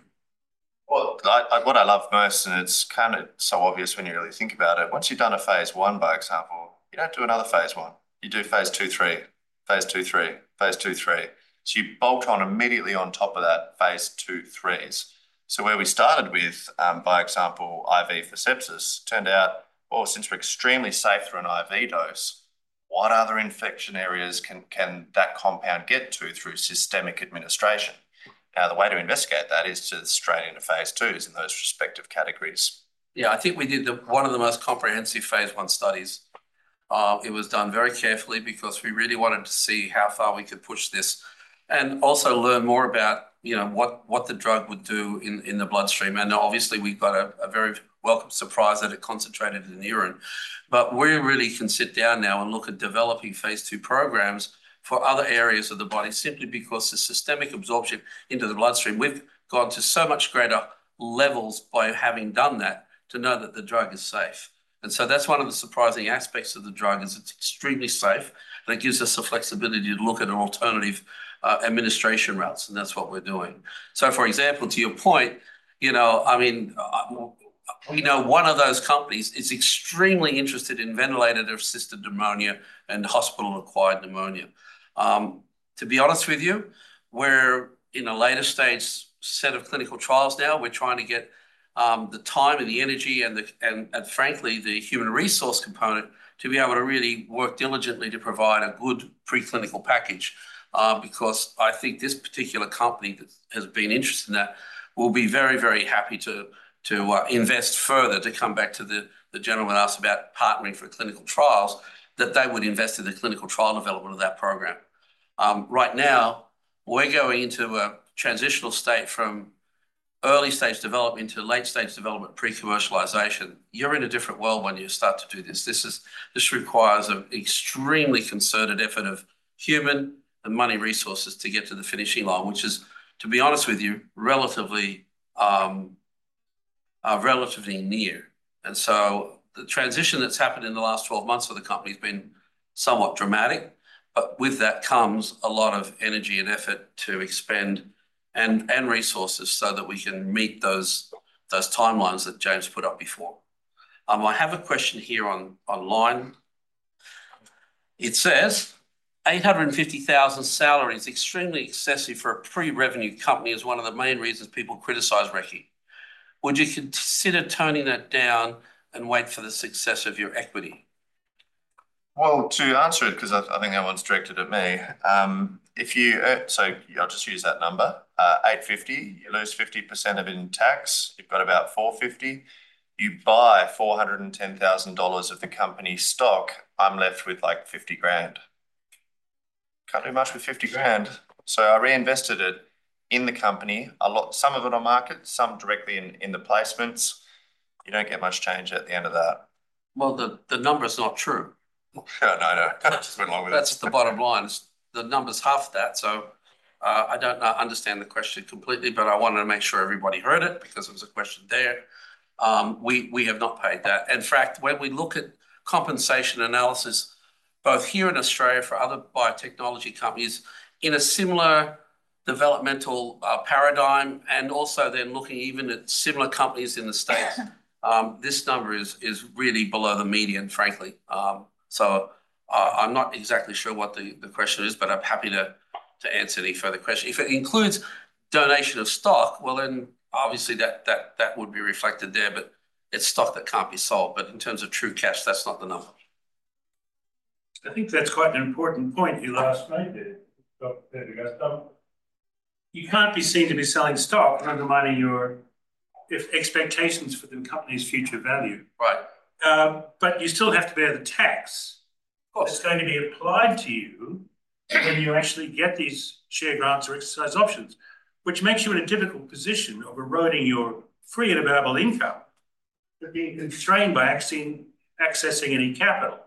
A: Well, what I love most, and it's kind of so obvious when you really think about it, once you've done a Phase I, by example, you don't do another Phase I. You do Phase II, three, Phase II, three, Phase II, three. So, you bolt on immediately on top of that Phase II, 3s. So where we started with, by example, IV for sepsis, turned out, well, since we're extremely safe through an IV dose, what other infection areas can that compound get to through systemic administration? Now, the way to investigate that is to straight into Phase IIs in those respective categories.
C: Yeah. I think we did one of the most comprehensive Phase I studies. It was done very carefully because we really wanted to see how far we could push this and also learn more about what the drug would do in the bloodstream. And obviously, we've got a very welcome surprise that it concentrated in the urine. But we really can sit down now and look at developing Phase II programs for other areas of the body simply because the systemic absorption into the bloodstream, we've gone to so much greater levels by having done that to know that the drug is safe. And so that's one of the surprising aspects of the drug is it's extremely safe. And it gives us the flexibility to look at alternative administration routes. And that's what we're doing. So, for example, to your point, I mean, we know one of those companies is extremely interested in ventilator-associated pneumonia and hospital-acquired pneumonia. To be honest with you, we're in a later stage set of clinical trials now. We're trying to get the time and the energy and, frankly, the human resource component to be able to really work diligently to provide a good preclinical package. Because I think this particular company that has been interested in that will be very, very happy to invest further to come back to the gentleman asked about partnering for clinical trials, that they would invest in the clinical trial development of that program. Right now, we're going into a transitional state from early-stage development to late-stage development pre-commercialization. You're in a different world when you start to do this. This requires an extremely concerted effort of human and money resources to get to the finishing line, which is, to be honest with you, relatively near, and so the transition that's happened in the last 12 months for the company has been somewhat dramatic, but with that comes a lot of energy and effort to expend and resources so that we can meet those timelines that James put up before. I have a question here online. It says, "850,000 salaries extremely excessive for a pre-revenue company is one of the main reasons people criticize Recce. Would you consider turning that down and wait for the success of your equity?"
A: Well, to answer it, because I think everyone's directed at me, if you, so I'll just use that number, 850, you lose 50% of it in tax. You've got about 450. You buy 410,000 dollars of the company stock. I'm left with like 50 grand. Can't do much with 50 grand. So I reinvested it in the company, some of it on market, some directly in the placements. You don't get much change at the end of that.
C: Well, the number's not true. No, no. I just went along with it. That's the bottom line. The number's half that. So, I don't understand the question completely, but I wanted to make sure everybody heard it because it was a question there. We have not paid that. In fact, when we look at compensation analysis, both here in Australia for other biotechnology companies in a similar developmental paradigm, and also then looking even at similar companies in the States, this number is really below the median, frankly. So, I'm not exactly sure what the question is, but I'm happy to answer any further questions. If it includes donation of stock, well, then obviously that would be reflected there. But it's stock that can't be sold. But in terms of true cash, that's not the number.
B: I think that's quite an important point you last made there, Dr. Peter.
C: You can't be seen to be selling stock, undermining your expectations for the company's future value. But you still have to bear the tax that's going to be applied to you when you actually get these share grants or exercise options, which makes you in a difficult position of eroding your free and available income and being constrained by accessing any capital.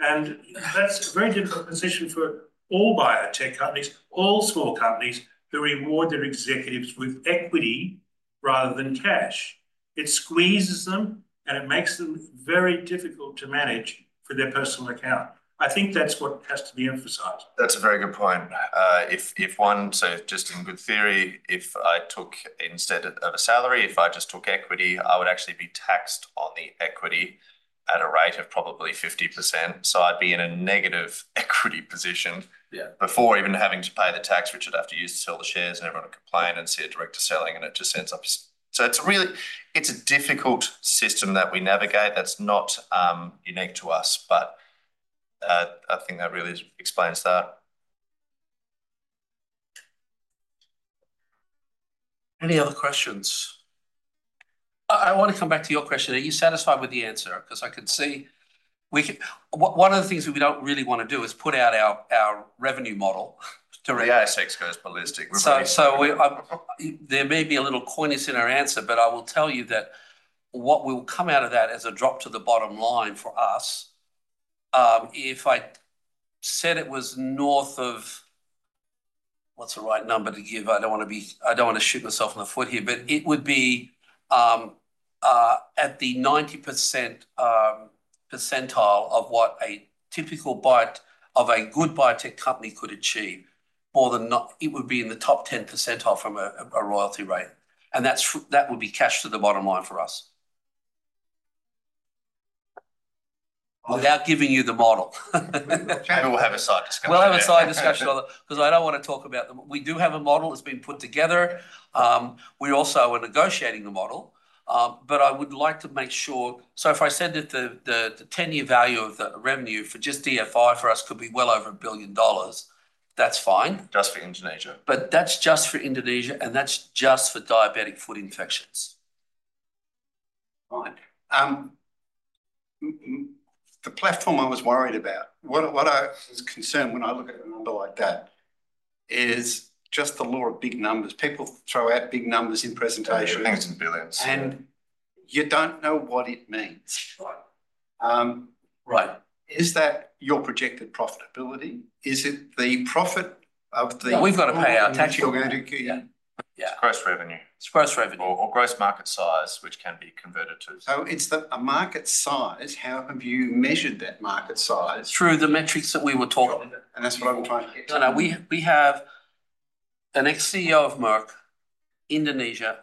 C: And that's a very difficult position for all biotech companies, all small companies who reward their executives with equity rather than cash. It squeezes them, and it makes them very difficult to manage for their personal account. I think that's what has to be emphasized.
A: That's a very good point. Just in good theory, if I took instead of a salary, if I just took equity, I would actually be taxed on the equity at a rate of probably 50%.
B: So I'd be in a negative equity position before even having to pay the tax, which I'd have to use to sell the shares and everyone would complain and see a director selling, and it just ends up so it's a difficult system that we navigate that's not unique to us. But I think that really explains that.
C: Any other questions?
B: I want to come back to your question. Are you satisfied with the answer? Because I can see one of the things we don't really want to do is put out our revenue model to.
A: Yeah, it's exposed publicly.
B: So there may be a little coyness in our answer, but I will tell you that what will come out of that as a drop to the bottom line for us, if I said it was north of, what's the right number to give? I don't want to shoot myself in the foot here, but it would be at the 90% percentile of what a typical bite of a good biotech company could achieve. It would be in the top 10% percentile from a royalty rate. And that would be cash to the bottom line for us. Without giving you the model. We'll have a side discussion. We'll have a side discussion on that because I don't want to talk about. We do have a model that's been put together. We also are negotiating the model. But I would like to make sure, so if I said that the 10-year value of the revenue for just DFI for us could be well over 1 billion dollars, that's fine.
A: Just for Indonesia.
B: But that's just for Indonesia, and that's just for diabetic foot infections.
A: Fine. The platform I was worried about, what I was concerned when I look at a number like that, is just the lure of big numbers. People throw out big numbers in presentations. Billions and billions. And you don't know what it means. Is that your projected profitability? Is it the profit of the. We've got to pay our taxes. Yeah. It's gross revenue. It's gross revenue. Or gross market size, which can be converted to. So it's a market size. How have you measured that market size? Through the metrics that we were talking about. And that's what I'm trying to get to. No, no. We have an ex-CEO of Merck Indonesia,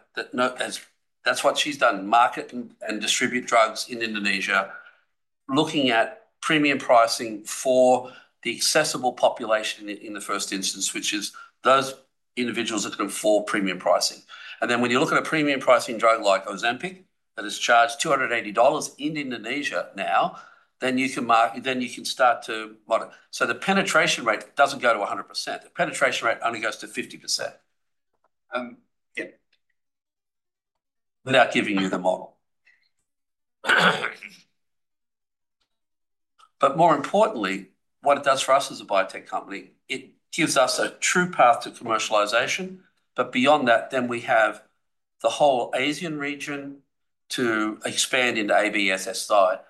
A: that's what she's done, market and distribute drugs in Indonesia, looking at premium pricing for the accessible population in the first instance, which is those individuals that can afford premium pricing. Then when you look at a premium pricing drug like Ozempic that is charged $280 in Indonesia now, you can start to see. So the penetration rate doesn't go to 100%. The penetration rate only goes to 50%. Without giving you the model. But more importantly, what it does for us as a biotech company, it gives us a true path to commercialization. But beyond that, then we have the whole Asian region to expand into ABSSSI.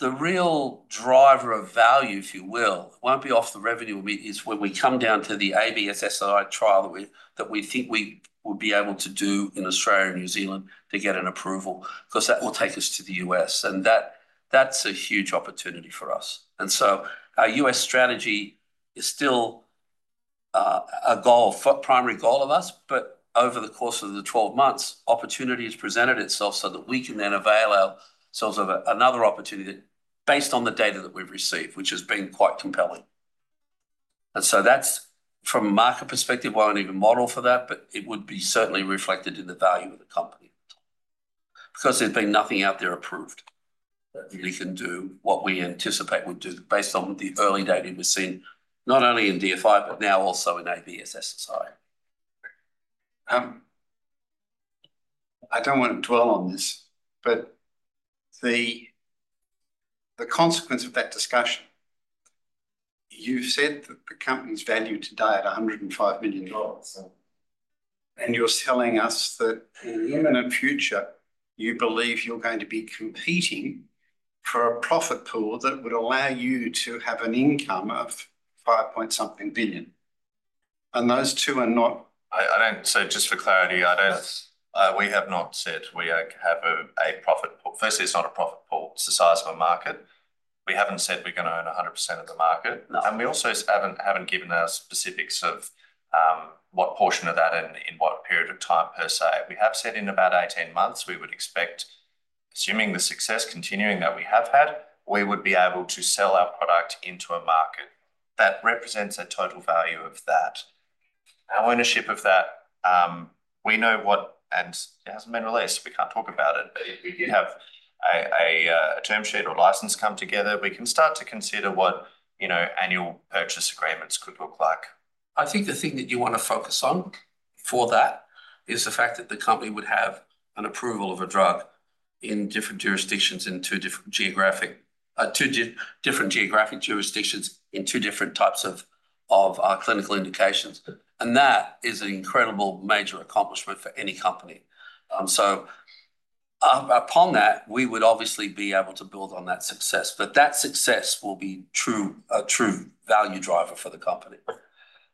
A: The real driver of value, if you will, won't be off the revenue. It is when we come down to the ABSSSI trial that we think we would be able to do in Australia and New Zealand to get an approval because that will take us to the U.S. And that's a huge opportunity for us. And so our U.S. strategy is still a primary goal of us. But over the course of the 12 months, opportunity has presented itself so that we can then avail ourselves of another opportunity based on the data that we've received, which has been quite compelling. And so that's, from a market perspective, won't even model for that, but it would be certainly reflected in the value of the company because there's been nothing out there approved that really can do what we anticipate would do based on the early data we've seen, not only in DFI, but now also in ABSSSI.
C: I don't want to dwell on this, but the consequence of that discussion, you've said that the company's value today at 105 million dollars. And you're telling us that in the imminent future, you believe you're going to be competing for a profit pool that would allow you to have an income of five point something billion.
A: Just for clarity, we have not said we have a profit pool. Firstly, it's not a profit pool. It's the size of a market. We haven't said we're going to own 100% of the market. We also haven't given our specifics of what portion of that and in what period of time per se. We have said in about 18 months, we would expect, assuming the success continuing that we have had, we would be able to sell our product into a market that represents a total value of that. Our ownership of that, we know what and it hasn't been released. We can't talk about it. If we did have a term sheet or license come together, we can start to consider what annual purchase agreements could look like.
B: I think the thing that you want to focus on for that is the fact that the company would have an approval of a drug in different jurisdictions in two different geographic jurisdictions in two different types of clinical indications. And that is an incredible major accomplishment for any company. So upon that, we would obviously be able to build on that success. But that success will be a true value driver for the company.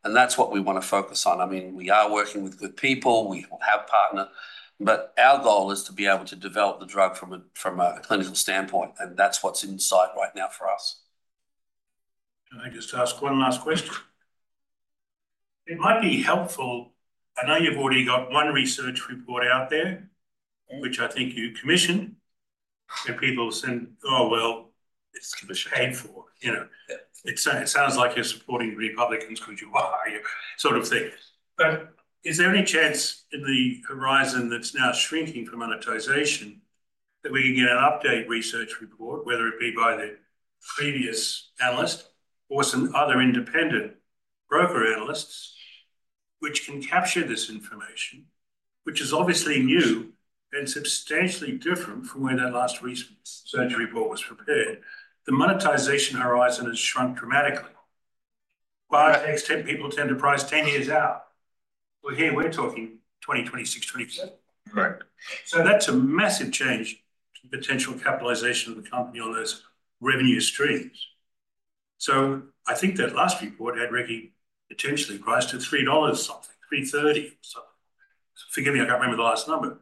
B: And that's what we want to focus on. I mean, we are working with good people. We have partnered. But our goal is to be able to develop the drug from a clinical standpoint. And that's what's in sight right now for us.
C: Can I just ask one last question? It might be helpful. I know you've already got one research report out there, which I think you commissioned. People said, "Oh, well, it's to be paid for." It sounds like you're supporting Republicans because you're wow, sort of thing. But is there any chance in the horizon that's now shrinking for monetization that we can get an updated research report, whether it be by the previous analyst or some other independent broker analysts, which can capture this information, which is obviously new and substantially different from where that last research report was prepared? The monetization horizon has shrunk dramatically. Biotech people tend to price 10 years out. Well, here, we're talking 2026, 2027. Correct. So that's a massive change to the potential capitalization of the company on those revenue streams. So I think that last report had Recce potentially priced at $3 something, $3.30 or something. Forgive me, I can't remember the last number.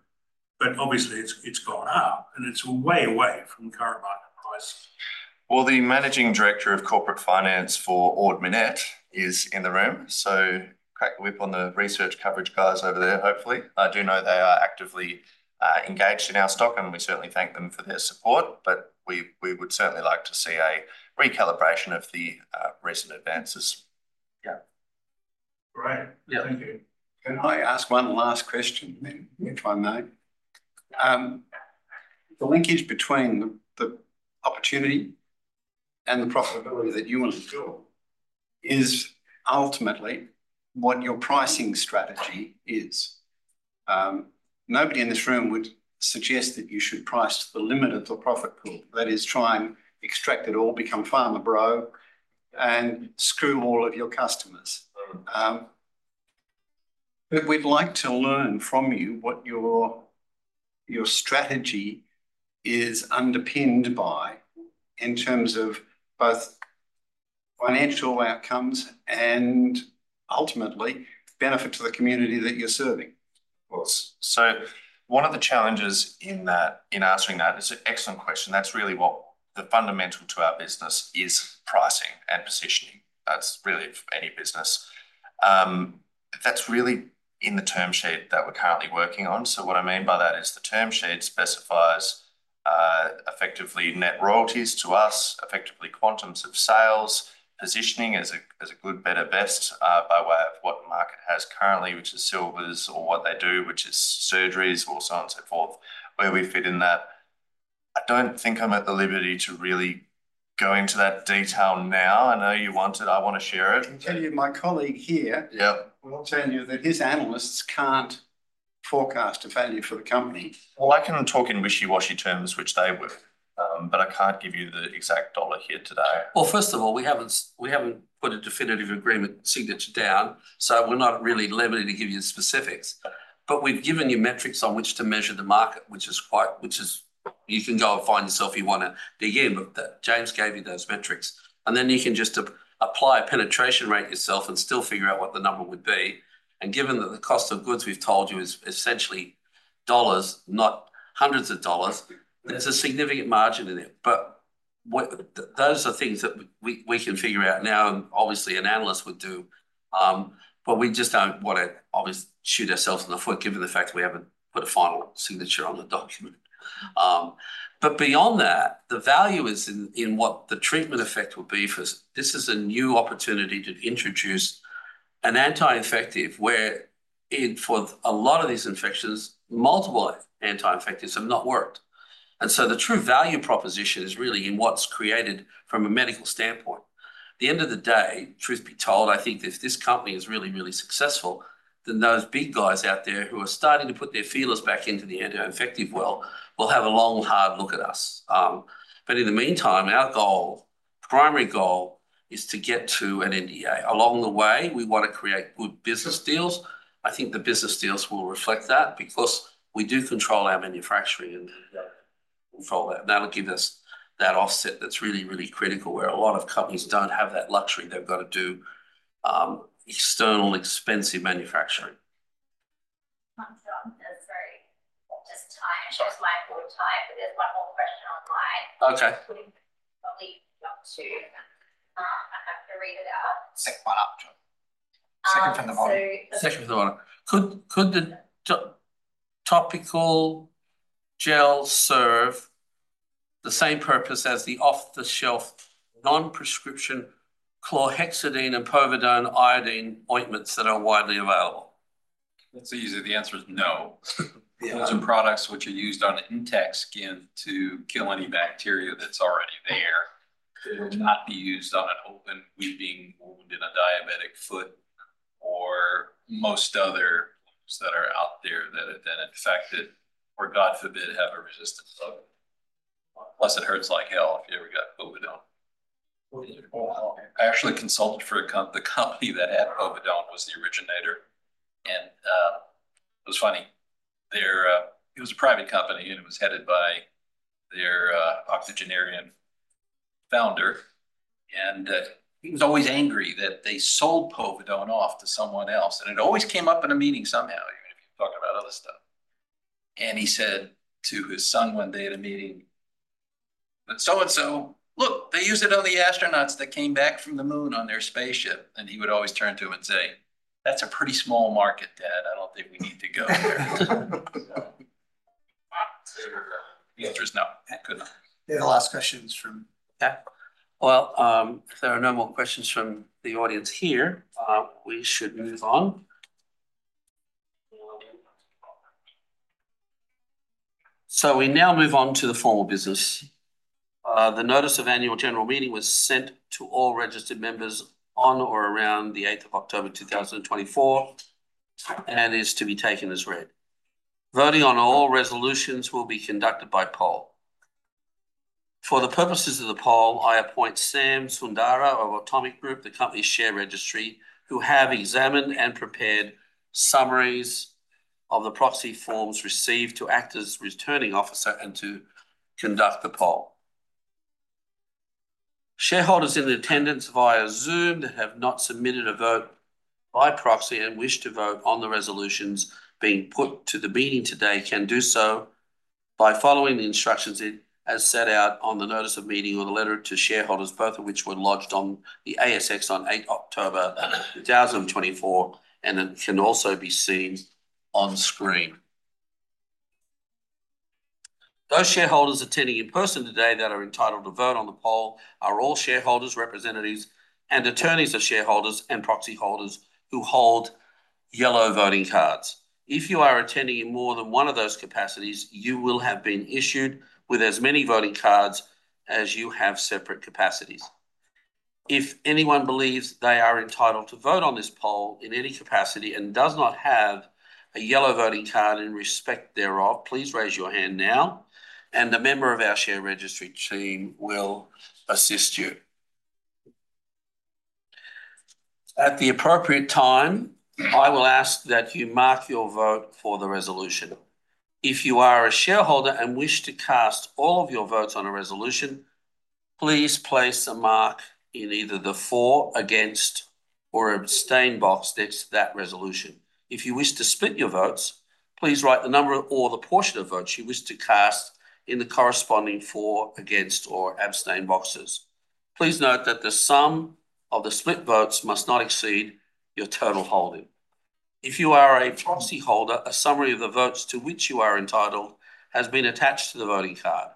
C: But obviously, it's gone up. It's way away from current market prices.
A: The managing director of corporate finance for Ord Minnett is in the room. So crack a whip on the research coverage guys over there, hopefully. I do know they are actively engaged in our stock, and we certainly thank them for their support. But we would certainly like to see a recalibration of the recent advances.
C: Yeah. All right. Thank you. Can I ask one last question? If I may. The linkage between the opportunity and the profitability that you want to do is ultimately what your pricing strategy is. Nobody in this room would suggest that you should price to the limit of the profit pool. That is, try and extract it all, become pharma bro, and screw all of your customers. But we'd like to learn from you what your strategy is underpinned by in terms of both financial outcomes and ultimately benefit to the community that you're serving.
A: Of course. So one of the challenges in answering that is an excellent question. That's really what the fundamental to our business is: pricing and positioning. That's really for any business. That's really in the term sheet that we're currently working on. So what I mean by that is the term sheet specifies effectively net royalties to us, effectively quantums of sales, positioning as a good, better, best by way of what the market has currently, which is silvers or what they do, which is surgeries or so on and so forth, where we fit in that. I don't think I'm at the liberty to really go into that detail now. I know you want it. I want to share it. I'll tell you, my colleague here will tell you that his analysts can't forecast a value for the company. Well, I can talk in wishy-washy terms, which they will. But I can't give you the exact dollar here today.
C: Well, first of all, we haven't put a definitive agreement signature down. So we're not really limited to give you the specifics. But we've given you metrics on which to measure the market, which is quite, you can go find yourself if you want to. Again, James gave you those metrics. And then you can just apply a penetration rate yourself and still figure out what the number would be. And given that the cost of goods we've told you is essentially dollars, not hundreds of dollars, there's a significant margin in it. But those are things that we can figure out now. And obviously, an analyst would do. But we just don't want to, obviously, shoot ourselves in the foot given the fact that we haven't put a final signature on the document. But beyond that, the value is in what the treatment effect will be for us. This is a new opportunity to introduce an anti-infective where for a lot of these infections, multiple anti-infectives have not worked. And so the true value proposition is really in what's created from a medical standpoint. At the end of the day, truth be told, I think if this company is really, really successful, then those big guys out there who are starting to put their feelers back into the anti-infective world will have a long, hard look at us. But in the meantime, our goal, primary goal, is to get to an NDA. Along the way, we want to create good business deals. I think the business deals will reflect that because we do control our manufacturing and control that. And that'll give us that offset that's really, really critical where a lot of companies don't have that luxury. They've got to do external, expensive manufacturing.
D: Sorry. Just time. It's just my poor time. But there's one more question online. Okay. Probably up to—I have to read it out. Scroll up, John.
B: Second from the bottom. Second from the bottom. Could the topical gel serve the same purpose as the off-the-shelf non-prescription chlorhexidine and povidone-iodine ointments that are widely available?
C: That's easy. The answer is no. Those are products which are used on intact skin to kill any bacteria that's already there. They will not be used on an open weeping wound in a diabetic foot or most other ones that are out there that are then infected or, God forbid, have a resistance to it. Plus, it hurts like hell if you ever got povidone. I actually consulted for the company that had povidone was the originator. And it was funny. It was a private company, and it was headed by their octogenarian founder. And he was always angry that they sold povidone off to someone else. And it always came up in a meeting somehow, even if you're talking about other stuff. And he said to his son one day at a meeting, "So and so, look, they use it on the astronauts that came back from the moon on their spaceship." And he would always turn to him and say, "That's a pretty small market, Dad. I don't think we need to go there." The answer is no. Good.
A: The last question is from, well, if there are no more questions from the audience here, we should move on, so we now move on to the formal business. The notice of annual general meeting was sent to all registered members on or around the 8th of October, 2024, and is to be taken as read. Voting on all resolutions will be conducted by poll. For the purposes of the poll, I appoint Sam Sundara of Automic Group, the company's share registry, who have examined and prepared summaries of the proxy forms received to act as returning officer and to conduct the poll. Shareholders in attendance via Zoom that have not submitted a vote by proxy and wish to vote on the resolutions being put to the meeting today can do so by following the instructions as set out on the notice of meeting or the letter to shareholders, both of which were lodged on the ASX on 8 October, 2024, and can also be seen on screen. Those shareholders attending in person today that are entitled to vote on the poll are all shareholders, representatives, and attorneys of shareholders and proxy holders who hold yellow voting cards. If you are attending in more than one of those capacities, you will have been issued with as many voting cards as you have separate capacities. If anyone believes they are entitled to vote on this poll in any capacity and does not have a yellow voting card in respect thereof, please raise your hand now, and a member of our share registry team will assist you. At the appropriate time, I will ask that you mark your vote for the resolution. If you are a shareholder and wish to cast all of your votes on a resolution, please place a mark in either the for, against, or abstain box next to that resolution. If you wish to split your votes, please write the number or the portion of votes you wish to cast in the corresponding for, against, or abstain boxes. Please note that the sum of the split votes must not exceed your total holding. If you are a proxy holder, a summary of the votes to which you are entitled has been attached to the voting card.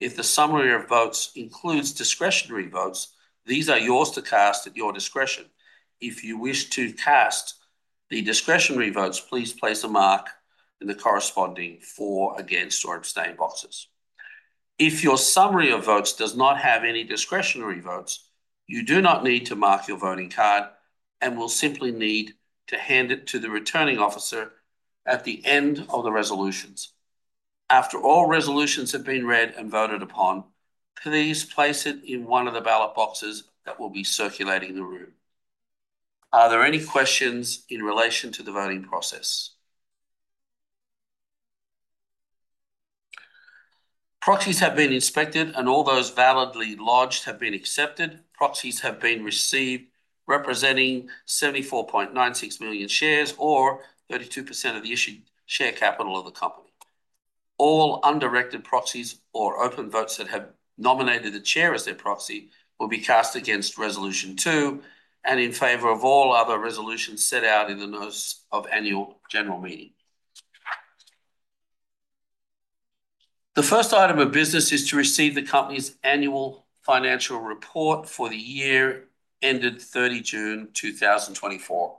A: If the summary of votes includes discretionary votes, these are yours to cast at your discretion. If you wish to cast the discretionary votes, please place a mark in the corresponding For, Against, or Abstain boxes. If your summary of votes does not have any discretionary votes, you do not need to mark your voting card and will simply need to hand it to the returning officer at the end of the resolutions. After all resolutions have been read and voted upon, please place it in one of the ballot boxes that will be circulating the room. Are there any questions in relation to the voting process? Proxies have been inspected, and all those validly lodged have been accepted. Proxies have been received representing 74.96 million shares or 32% of the issued share capital of the company. All undirected proxies or open votes that have nominated the chair as their proxy will be cast against resolution two and in favor of all other resolutions set out in the notice of annual general meeting. The first item of business is to receive the company's annual financial report for the year ended 30 June 2024.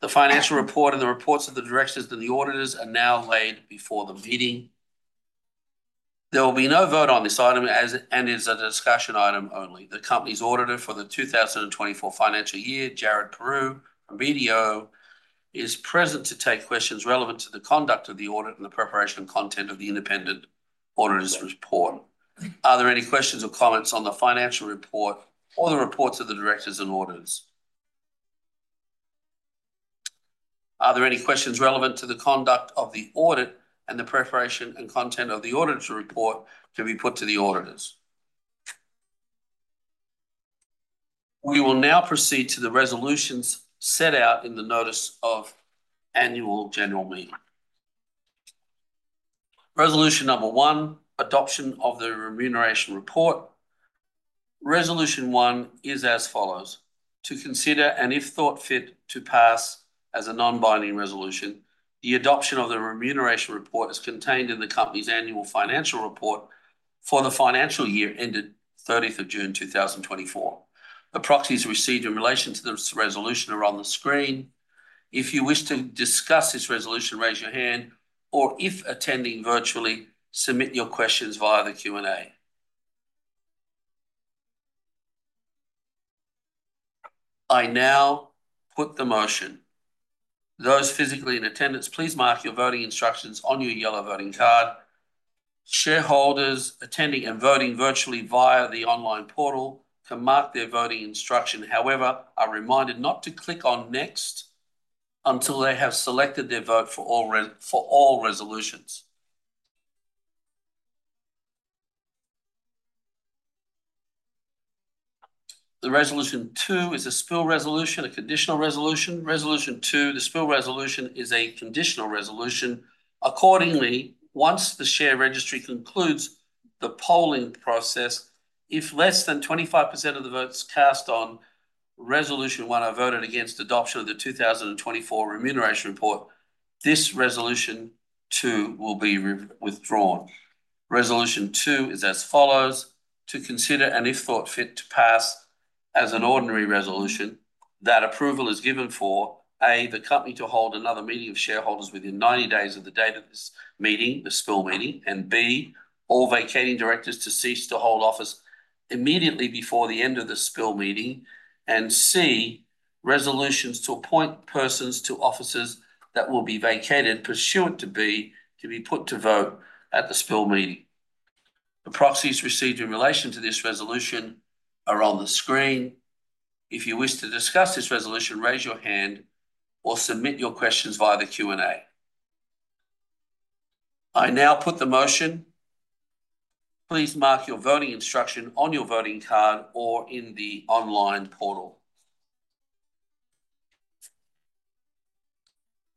A: The financial report and the reports of the directors and the auditors are now laid before the meeting. There will be no vote on this item and is a discussion item only. The company's auditor for the 2024 financial year, Jared Prue from BDO, is present to take questions relevant to the conduct of the audit and the preparation and content of the independent auditor's report. Are there any questions or comments on the financial report or the reports of the directors and auditors? Are there any questions relevant to the conduct of the audit and the preparation and content of the auditor's report to be put to the auditors? We will now proceed to the resolutions set out in the notice of annual general meeting. Resolution number one, adoption of the remuneration report. Resolution one is as follows. To consider and, if thought fit, to pass as a non-binding resolution, the adoption of the remuneration report is contained in the company's annual financial report for the financial year ended 30 June 2024. The proxies received in relation to this resolution are on the screen. If you wish to discuss this resolution, raise your hand. Or if attending virtually, submit your questions via the Q and A. I now put the motion. Those physically in attendance, please mark your voting instructions on your yellow voting card. Shareholders attending and voting virtually via the online portal can mark their voting instruction. However, I reminded not to click on next until they have selected their vote for all resolutions. The resolution two is a spill resolution, a conditional resolution. Resolution two, the spill resolution, is a conditional resolution. Accordingly, once the share registry concludes the polling process, if less than 25% of the votes cast on resolution one are voted against adoption of the 2024 remuneration report, this resolution two will be withdrawn. Resolution two is as follows. To consider and, if thought fit, to pass as an ordinary resolution, that approval is given for: A, the company to hold another meeting of shareholders within 90 days of the date of this meeting, the spill meeting. And B, all vacating directors to cease to hold office immediately before the end of the spill meeting. And C, resolutions to appoint persons to offices that will be vacated pursuant to B to be put to vote at the spill meeting. The proxies received in relation to this resolution are on the screen. If you wish to discuss this resolution, raise your hand or submit your questions via the Q and A. I now put the motion. Please mark your voting instruction on your voting card or in the online portal.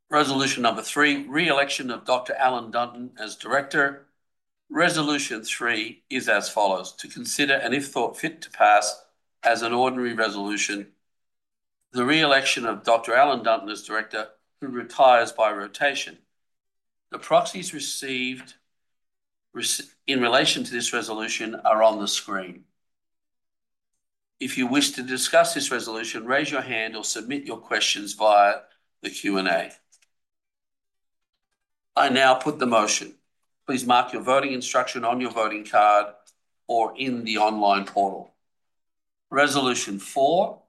A: Resolution number three, re-election of Dr. Alan Dunton as director. Resolution three is as follows. To consider and, if thought fit, to pass as an ordinary resolution, the re-election of Dr. Alan Dunton as director, who retires by rotation. The proxies received in relation to this resolution are on the screen. If you wish to discuss this resolution, raise your hand or submit your questions via the Q and A. I now put the motion. Please mark your voting instruction on your voting card or in the online portal. Resolution four,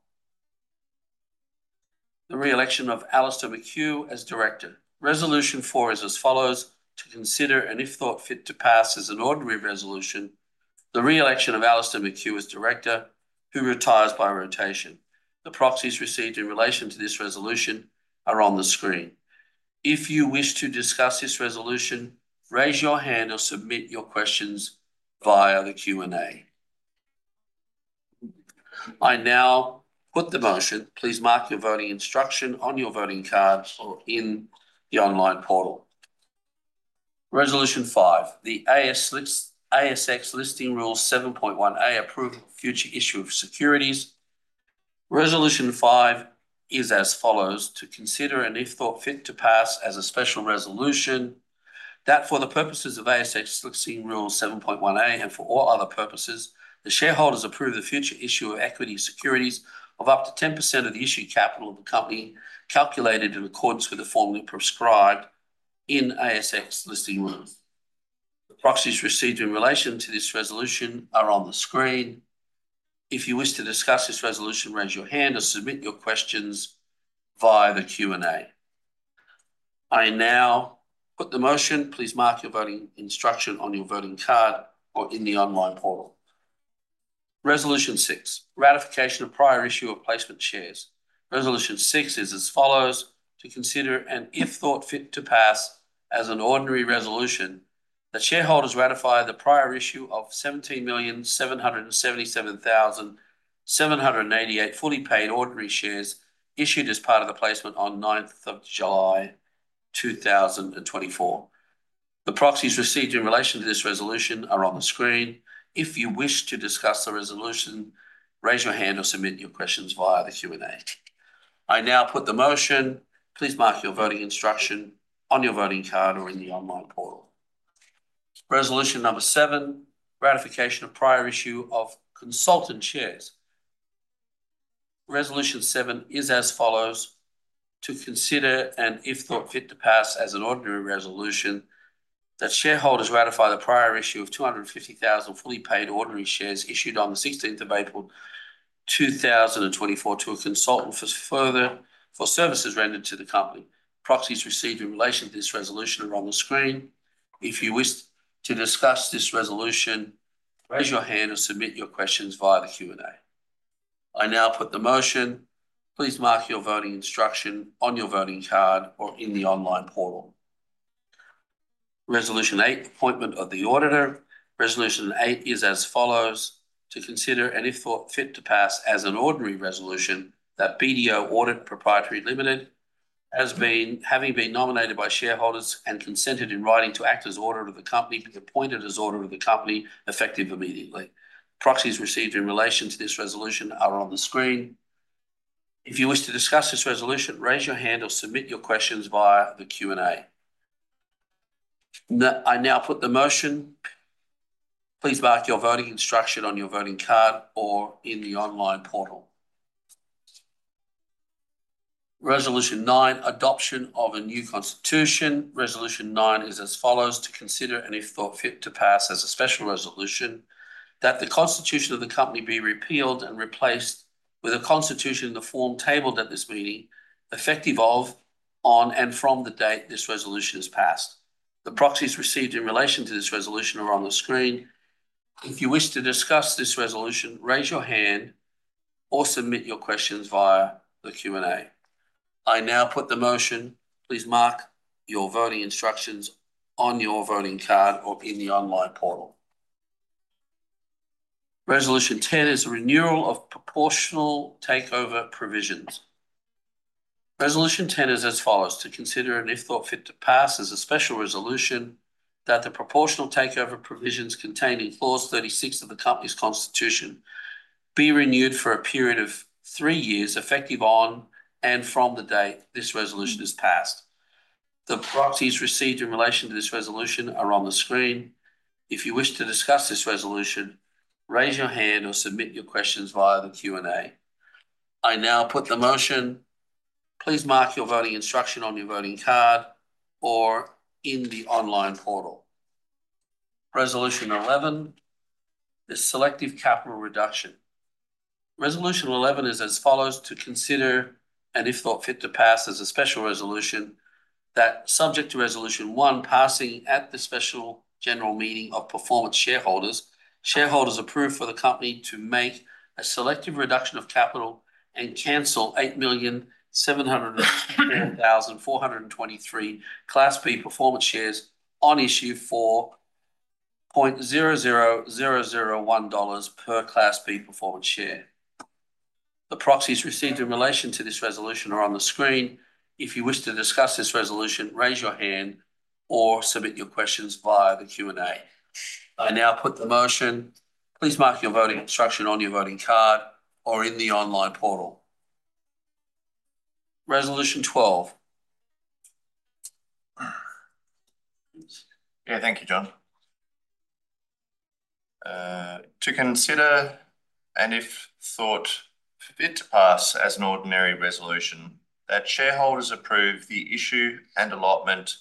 A: the re-election of Alistair McKeough as director. Resolution four is as follows. To consider and, if thought fit, to pass as an ordinary resolution, the re-election of Alistair Q and A as director, who retires by rotation. The proxies received in relation to this resolution are on the screen. If you wish to discuss this resolution, raise your hand or submit your questions via the Q and A. I now put the motion. Please mark your voting instruction on your voting card or in the online portal. Resolution five, the ASX Listing Rule 7.1A approval, future issue of securities. Resolution five is as follows. To consider and, if thought fit, to pass as a special resolution that for the purposes of ASX Listing Rule 7.1A and for all other purposes, the shareholders approve the future issue of equity securities of up to 10% of the issued capital of the company calculated in accordance with the formula prescribed in ASX Listing Rules. The proxies received in relation to this resolution are on the screen. If you wish to discuss this resolution, raise your hand or submit your questions via the Q and A. I now put the motion. Please mark your voting instruction on your voting card or in the online portal. Resolution six, ratification of prior issue of placement shares. Resolution six is as follows. To consider and, if thought fit, to pass as an ordinary resolution, the shareholders ratify the prior issue of 17,777,788 fully paid ordinary shares issued as part of the placement on 9th of July, 2024. The proxies received in relation to this resolution are on the screen. If you wish to discuss the resolution, raise your hand or submit your questions via the Q and A. I now put the motion. Please mark your voting instruction on your voting card or in the online portal. Resolution number seven, ratification of prior issue of consultant shares. Resolution seven is as follows. To consider and, if thought fit, to pass as an ordinary resolution that shareholders ratify the prior issue of 250,000 fully paid ordinary shares issued on the 16th of April, 2024, to a consultant for services rendered to the company. Proxies received in relation to this resolution are on the screen. If you wish to discuss this resolution, raise your hand or submit your questions via the Q and A. I now put the motion. Please mark your voting instruction on your voting card or in the online portal. Resolution eight, appointment of the auditor. Resolution eight is as follows. To consider and, if thought fit, to pass as an ordinary resolution that BDO Audit Pty Ltd, having been nominated by shareholders and consented in writing to act as auditor of the company, be appointed as auditor of the company effective immediately. Proxies received in relation to this resolution are on the screen. If you wish to discuss this resolution, raise your hand or submit your questions via the Q and A. I now put the motion. Please mark your voting instruction on your voting card or in the online portal. Resolution nine, adoption of a new constitution. Resolution nine is as follows. To consider and, if thought fit, to pass as a special resolution that the constitution of the company be repealed and replaced with a constitution in the form tabled at this meeting effective as of, on, and from the date this resolution is passed. The proxies received in relation to this resolution are on the screen. If you wish to discuss this resolution, raise your hand or submit your questions via the Q and A. I now put the motion. Please mark your voting instructions on your voting card or in the online portal. Resolution 10 is a renewal of proportional takeover provisions. Resolution 10 is as follows. To consider and, if thought fit, to pass as a special resolution that the proportional takeover provisions contained in clause 36 of the company's constitution be renewed for a period of three years effective on and from the date this resolution is passed. The proxies received in relation to this resolution are on the screen. If you wish to discuss this resolution, raise your hand or submit your questions via the Q and A. I now put the motion. Please mark your voting instruction on your voting card or in the online portal. Resolution 11, the selective capital reduction. Resolution 11 is as follows. To consider and, if thought fit, to pass as a special resolution that subject to resolution one passing at the special general meeting of performance shareholders. Shareholders approved for the company to make a selective reduction of capital and cancel 8,777,423 class B performance shares on issue for 0.00001 dollars per class B performance share. The proxies received in relation to this resolution are on the screen. If you wish to discuss this resolution, raise your hand or submit your questions via the Q and A. I now put the motion. Please mark your voting instruction on your voting card or in the online portal. Resolution 12.
C: Yeah, thank you, John. To consider and, if thought fit, to pass as an ordinary resolution that shareholders approve the issue and allotment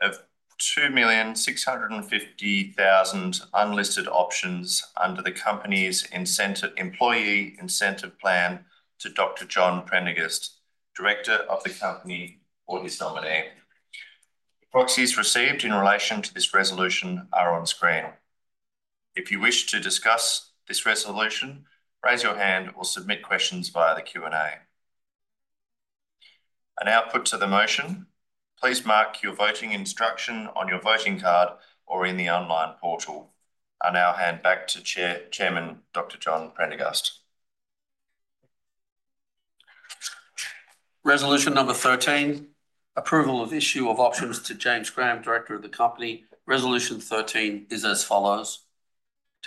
C: of 2,650,000 unlisted options under the company's employee incentive plan to Dr. John Prendergast, director of the company, or his nominee. The proxies received in relation to this resolution are on screen. If you wish to discuss this resolution, raise your hand or submit questions via the Q and A. I now put to the motion. Please mark your voting instruction on your voting card or in the online portal. I now hand back to Chairman Dr. John Prendergast.
A: Resolution number 13, approval of issue of options to James Graham, director of the company. Resolution 13 is as follows.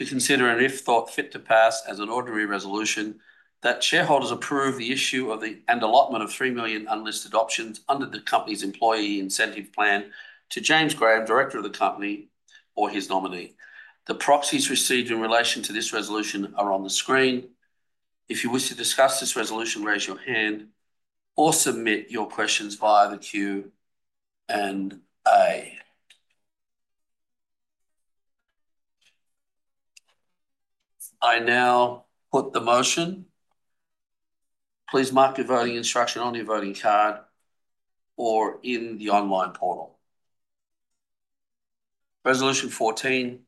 A: To consider and, if thought fit, to pass as an ordinary resolution that shareholders approve the issue of the allotment of three million unlisted options under the company's employee incentive plan to James Graham, director of the company or his nominee. The proxies received in relation to this resolution are on the screen. If you wish to discuss this resolution, raise your hand or submit your questions via the Q and A. I now put the motion. Please mark your voting instruction on your voting card or in the online portal. Resolution 14,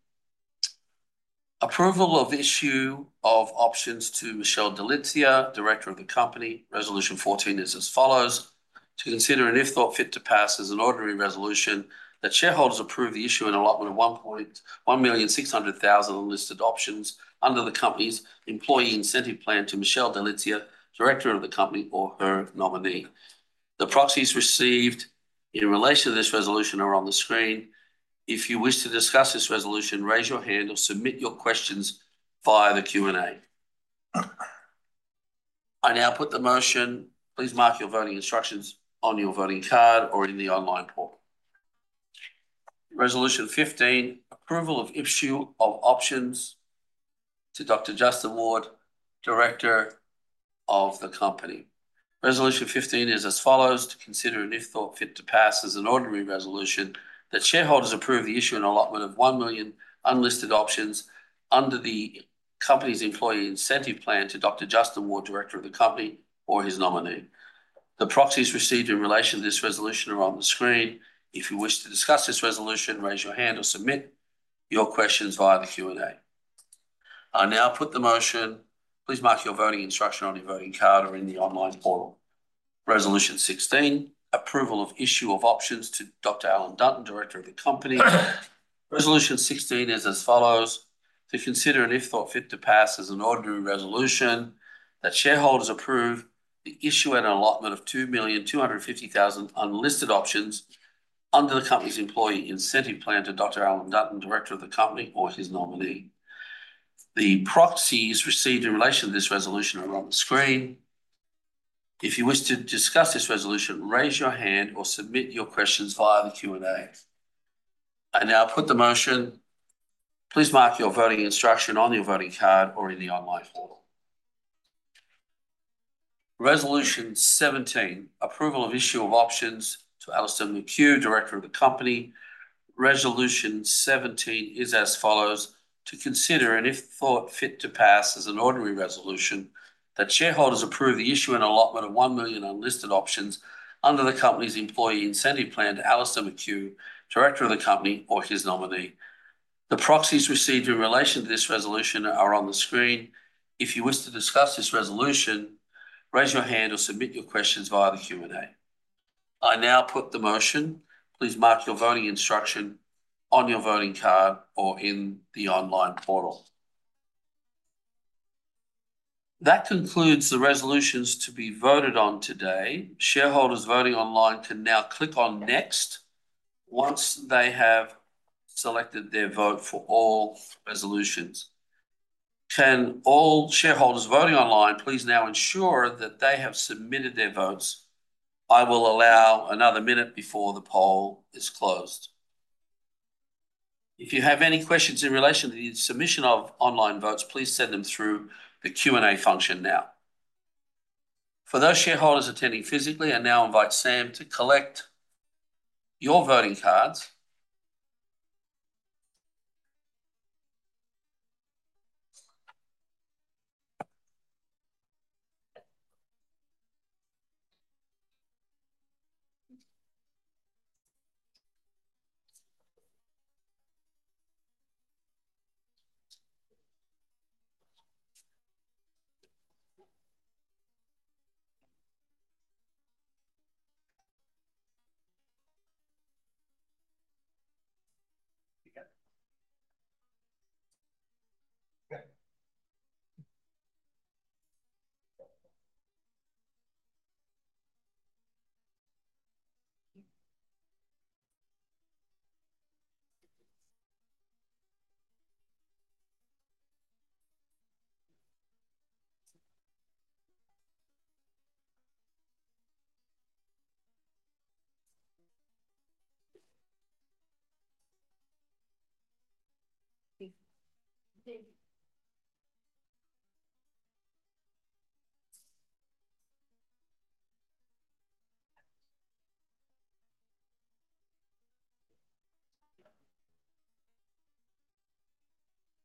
A: approval of issue of options to Michele Dilizia, director of the company. Resolution 14 is as follows. To consider and, if thought fit, to pass as an ordinary resolution that shareholders approve the issue and allotment of 1,600,000 unlisted options under the company's employee incentive plan to Michele Dilizia, director of the company or her nominee. The proxies received in relation to this resolution are on the screen. If you wish to discuss this resolution, raise your hand or submit your questions via the Q and A. I now put the motion. Please mark your voting instructions on your voting card or in the online portal. Resolution 15, approval of issue of options to Dr. Justin Ward, director of the company. Resolution 15 is as follows. To consider and, if thought fit, to pass as an ordinary resolution that shareholders approve the issue and allotment of one million unlisted options under the company's employee incentive plan to Dr. Justin Ward, director of the company or his nominee. The proxies received in relation to this resolution are on the screen. If you wish to discuss this resolution, raise your hand or submit your questions via the Q and A. I now put the motion. Please mark your voting instruction on your voting card or in the online portal. Resolution 16, approval of issue of options to Dr. Alan Dunton, director of the company. Resolution 16 is as follows. To consider and, if thought fit, to pass as an ordinary resolution that shareholders approve the issue and allotment of 2,250,000 unlisted options under the company's employee incentive plan to Dr. Alan Dunton, director of the company or his nominee. The proxies received in relation to this resolution are on the screen. If you wish to discuss this resolution, raise your hand or submit your questions via the Q and A. I now put the motion. Please mark your voting instruction on your voting card or in the online portal. Resolution 17, approval of issue of options to Alistair McKeough, director of the company. Resolution 17 is as follows. To consider and, if thought fit, to pass as an ordinary resolution that shareholders approve the issue and allotment of 1 million unlisted options under the company's employee incentive plan to Alistair McKeough, director of the company or his nominee. The proxies received in relation to this resolution are on the screen. If you wish to discuss this resolution, raise your hand or submit your questions via the Q and A. I now put the motion. Please mark your voting instruction on your voting card or in the online portal. That concludes the resolutions to be voted on today. Shareholders voting online can now click on next once they have selected their vote for all resolutions. Can all shareholders voting online please now ensure that they have submitted their votes? I will allow another minute before the poll is closed. If you have any questions in relation to the submission of online votes, please send them through the Q and A function now. For those shareholders attending physically, I now invite Sam to collect your voting cards.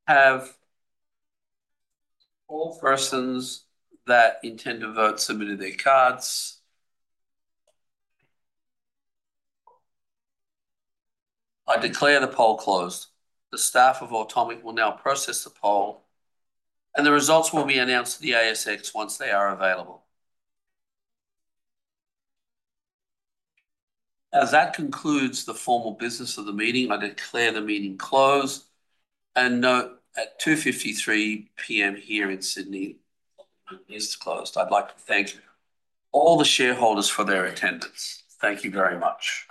A: Have all persons that intend to vote submitted their cards? I declare the poll closed. The staff of Automic will now process the poll, and the results will be announced to the ASX once they are available. As that concludes the formal business of the meeting, I declare the meeting closed and note at 2:53 P.M. here in Sydney it is closed. I'd like to thank all the shareholders for their attendance. Thank you very much.